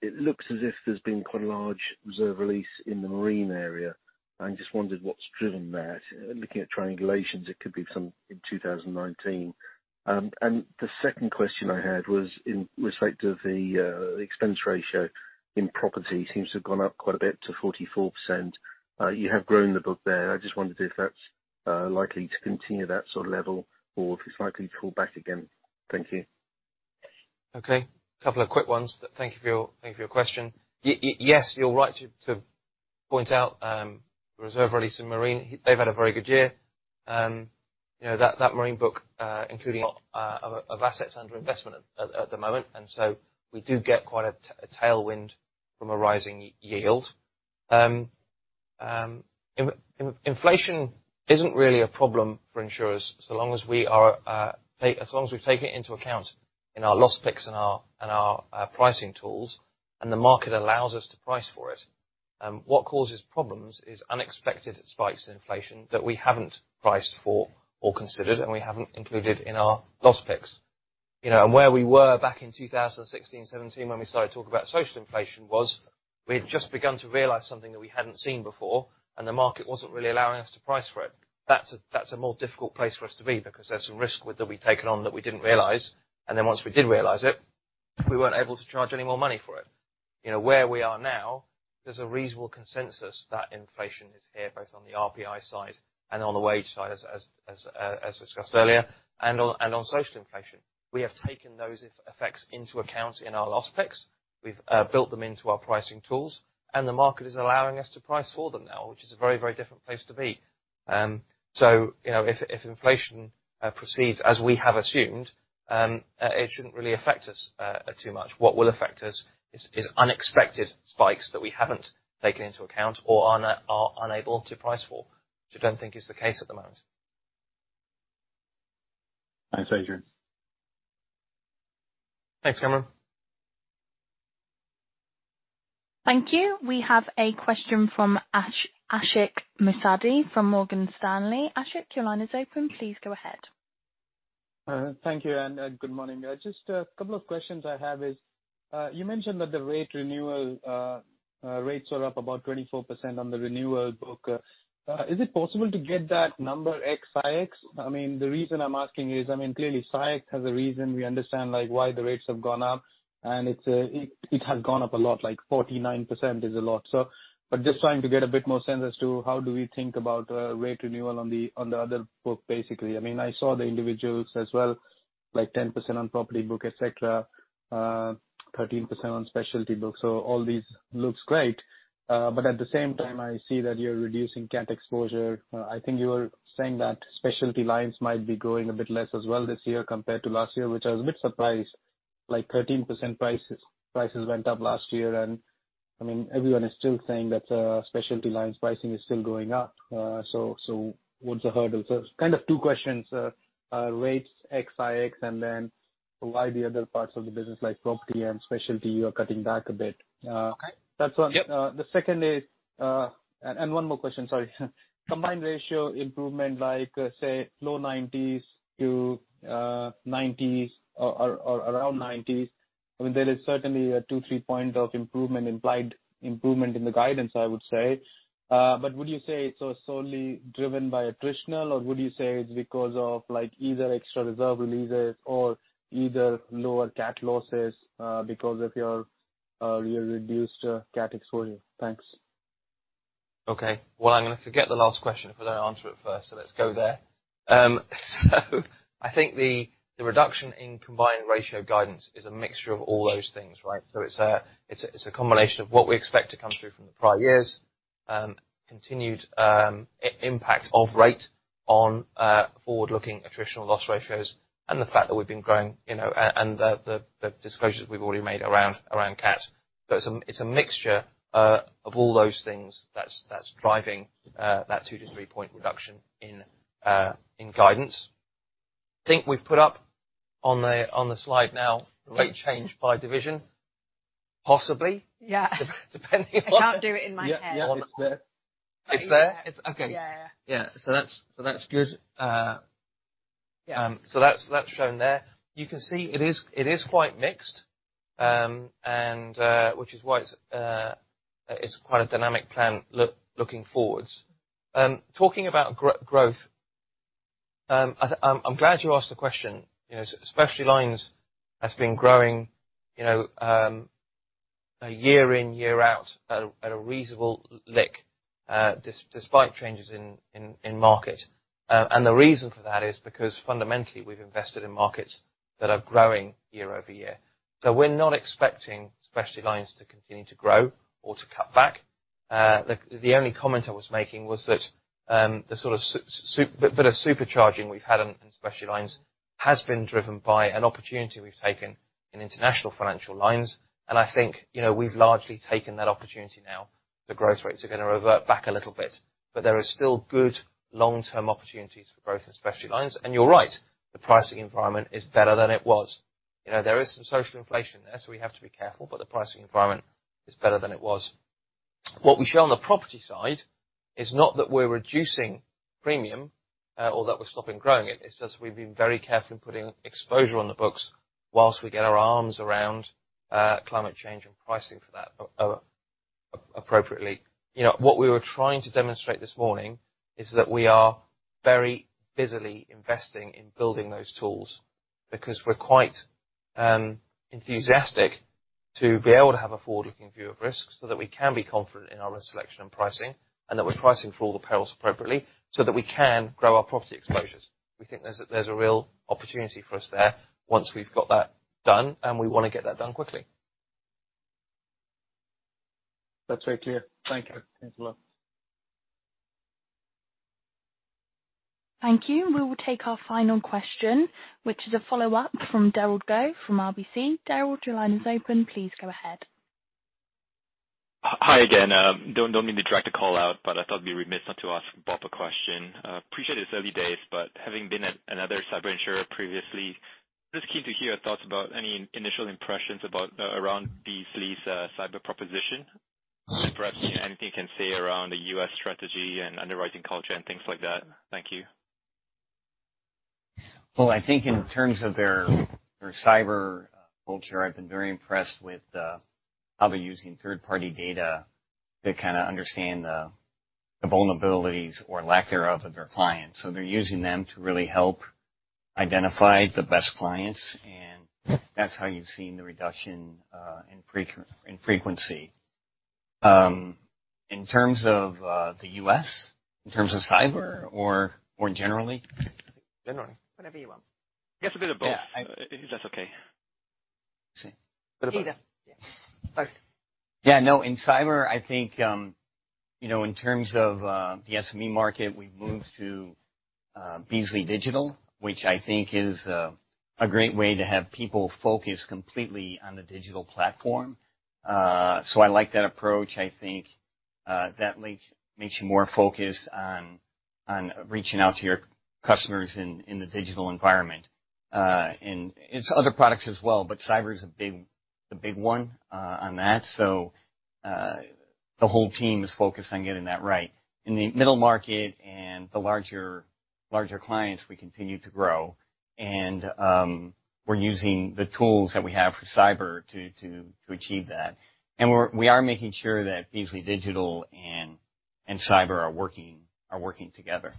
Speaker 17: it looks as if there's been quite a large reserve release in the marine area. I just wondered what's driven that. Looking at triangulations, it could be from 2019. The second question I had was in respect of the expense ratio in property. Seems to have gone up quite a bit to 44%. You have grown the book there. I just wondered if that's likely to continue that sort of level or if it's likely to pull back again. Thank you.
Speaker 2: Okay. Couple of quick ones. Thank you for your question. Yes, you're right to point out reserve release in marine. They've had a very good year. You know, that marine book, including assets under investment at the moment. We do get quite a tailwind from a rising yield. Inflation isn't really a problem for insurers so long as we take it into account in our loss picks and our pricing tools, and the market allows us to price for it. What causes problems is unexpected spikes in inflation that we haven't priced for or considered and we haven't included in our loss picks. You know, where we were back in 2016, 2017 when we started talking about social inflation was we had just begun to realize something that we hadn't seen before, and the market wasn't really allowing us to price for it. That's a more difficult place for us to be because there's some risk with that we've taken on that we didn't realize, and then once we did realize it, we weren't able to charge any more money for it. You know, where we are now, there's a reasonable consensus that inflation is here both on the RPI side and on the wage side, as discussed earlier, and on social inflation. We have taken those effects into account in our loss picks. We've built them into our pricing tools, and the market is allowing us to price for them now, which is a very, very different place to be. You know, if inflation proceeds as we have assumed, it shouldn't really affect us too much. What will affect us is unexpected spikes that we haven't taken into account or are unable to price for. Which I don't think is the case at the moment.
Speaker 17: Thanks, Adrian.
Speaker 2: Thanks, Cornes.
Speaker 1: Thank you. We have a question from Ashik Musaddi from Morgan Stanley. Ashik, your line is open. Please go ahead.
Speaker 18: Thank you, and good morning. Just a couple of questions I have is, you mentioned that the rate renewal rates are up about 24% on the renewal book. Is it possible to get that number ex-CyEx? I mean, the reason I'm asking is, I mean, clearly CyEx has a reason we understand, like, why the rates have gone up, and it has gone up a lot, like 49% is a lot. Just trying to get a bit more sense as to how do we think about rate renewal on the other book, basically. I mean, I saw the individuals as well, like 10% on property book, et cetera, 13% on specialty book. So all these looks great. At the same time, I see that you're reducing cat exposure. I think you were saying that specialty lines might be growing a bit less as well this year compared to last year, which I was a bit surprised, like 13% prices went up last year. I mean, everyone is still saying that, specialty lines pricing is still going up. What's the hurdle? It's kind of two questions. Rates, ex, and then why the other parts of the business like property and specialty are cutting back a bit.
Speaker 2: Okay.
Speaker 18: That's one.
Speaker 2: Yep.
Speaker 18: The second is. One more question, sorry. Combined ratio improvement like, say, low 90s-90s or around 90s. I mean, there is certainly a 2-3 point improvement implied in the guidance, I would say. But would you say it's solely driven by attritional, or would you say it's because of like either extra reserve releases or lower cat losses, because of your reduced cat exposure? Thanks.
Speaker 2: Okay. Well, I'm gonna forget the last question if I don't answer it first, so let's go there. I think the reduction in combined ratio guidance is a mixture of all those things, right? It's a combination of what we expect to come through from the prior years, continued impact of rate on forward-looking attritional loss ratios and the fact that we've been growing, you know, and the disclosures we've already made around cat. It's a mixture of all those things that's driving that 2-3 point reduction in guidance. I think we've put up on the slide now rate change by division. Possibly.
Speaker 4: Yeah.
Speaker 2: Depending on
Speaker 4: I can't do it in my head. Yeah. Yeah. It's there.
Speaker 2: It's there? It's okay.
Speaker 4: Yeah.
Speaker 2: Yeah. That's good.
Speaker 4: Yeah.
Speaker 2: That's shown there. You can see it is quite mixed. Which is why it's quite a dynamic plan looking forwards. Talking about growth, I'm glad you asked the question. You know, specialty lines has been growing, you know, year in, year out at a reasonable lick, despite changes in market. The reason for that is because fundamentally we've invested in markets that are growing year-over-year. We're not expecting specialty lines to continue to grow or to cut back. The only comment I was making was that the sort of bit of supercharging we've had on specialty lines has been driven by an opportunity we've taken in international financial lines, and I think, you know, we've largely taken that opportunity now. The growth rates are gonna revert back a little bit. There is still good long-term opportunities for growth in specialty lines. You're right, the pricing environment is better than it was. You know, there is some social inflation there, so we have to be careful, but the pricing environment is better than it was. What we show on the property side is not that we're reducing premium or that we're stopping growing it's just we've been very careful in putting exposure on the books while we get our arms around climate change and pricing for that appropriately. You know, what we were trying to demonstrate this morning is that we are very busily investing in building those tools because we're quite enthusiastic to be able to have a forward-looking view of risks so that we can be confident in our risk selection and pricing, and that we're pricing for all the perils appropriately so that we can grow our property exposures. We think there's a real opportunity for us there once we've got that done, and we wanna get that done quickly.
Speaker 18: That's very clear. Thank you. Thanks a lot.
Speaker 1: Thank you. We will take our final question, which is a follow-up from Derald Goh from RBC. Daryl, your line is open. Please go ahead.
Speaker 7: Hi again. Don't mean to drag the call out, but I thought it'd be remiss not to ask Bob a question. Appreciate it's early days, but having been at another cyber insurer previously, just keen to hear your thoughts about any initial impressions about around the Beazley's cyber proposition. Perhaps anything you can say around the U.S. strategy and underwriting culture and things like that. Thank you.
Speaker 4: Well, I think in terms of their cyber culture, I've been very impressed with how they're using third-party data to kinda understand the vulnerabilities or lack thereof of their clients. So they're using them to really help identify the best clients, and that's how you've seen the reduction in frequency. In terms of the U.S., in terms of cyber or generally?
Speaker 7: Generally.
Speaker 3: Whatever you want.
Speaker 2: Guess a bit of both.
Speaker 4: Yeah.
Speaker 7: If that's okay.
Speaker 4: Let's see.
Speaker 2: Bit of both.
Speaker 4: Yeah.
Speaker 3: Both.
Speaker 4: Yeah, no. In cyber, I think, you know, in terms of the SME market, we've moved to Beazley Digital, which I think is a great way to have people focus completely on the digital platform. I like that approach. I think that makes you more focused on reaching out to your customers in the digital environment. It's other products as well, but cyber is the big one on that. The whole team is focused on getting that right. In the middle market and the larger clients, we continue to grow and we're using the tools that we have for cyber to achieve that. We're making sure that Beazley Digital and cyber are working together.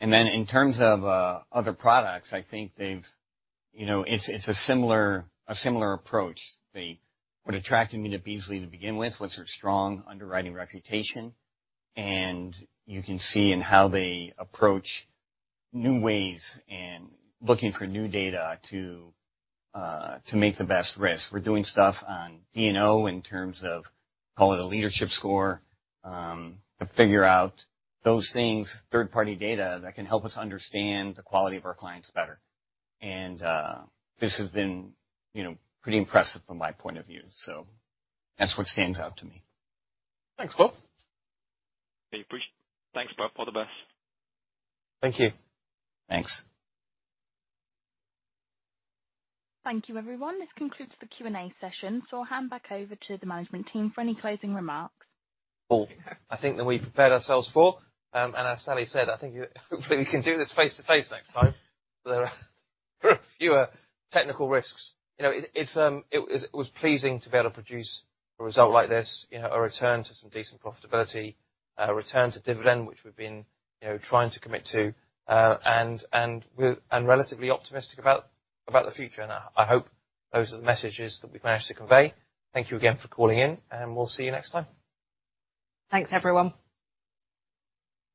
Speaker 4: In terms of other products, you know, it's a similar approach. What attracted me to Beazley to begin with was their strong underwriting reputation, and you can see in how they approach new ways and looking for new data to make the best risk. We're doing stuff on D&O in terms of, call it a leadership score, to figure out those things, third-party data, that can help us understand the quality of our clients better. This has been, you know, pretty impressive from my point of view. That's what stands out to me.
Speaker 7: Thanks, Bob. Yeah, appreciate. Thanks Bob. All the best.
Speaker 2: Thank you.
Speaker 4: Thanks.
Speaker 1: Thank you, everyone. This concludes the Q&A session. I'll hand back over to the management team for any closing remarks.
Speaker 2: Cool. I think that we've prepared ourselves for, and as Sally said, I think hopefully we can do this face-to-face next time. There are fewer technical risks. You know, it was pleasing to be able to produce a result like this, you know, a return to some decent profitability, a return to dividend, which we've been, you know, trying to commit to, and we're relatively optimistic about the future. I hope those are the messages that we've managed to convey. Thank you again for calling in, and we'll see you next time.
Speaker 3: Thanks, everyone.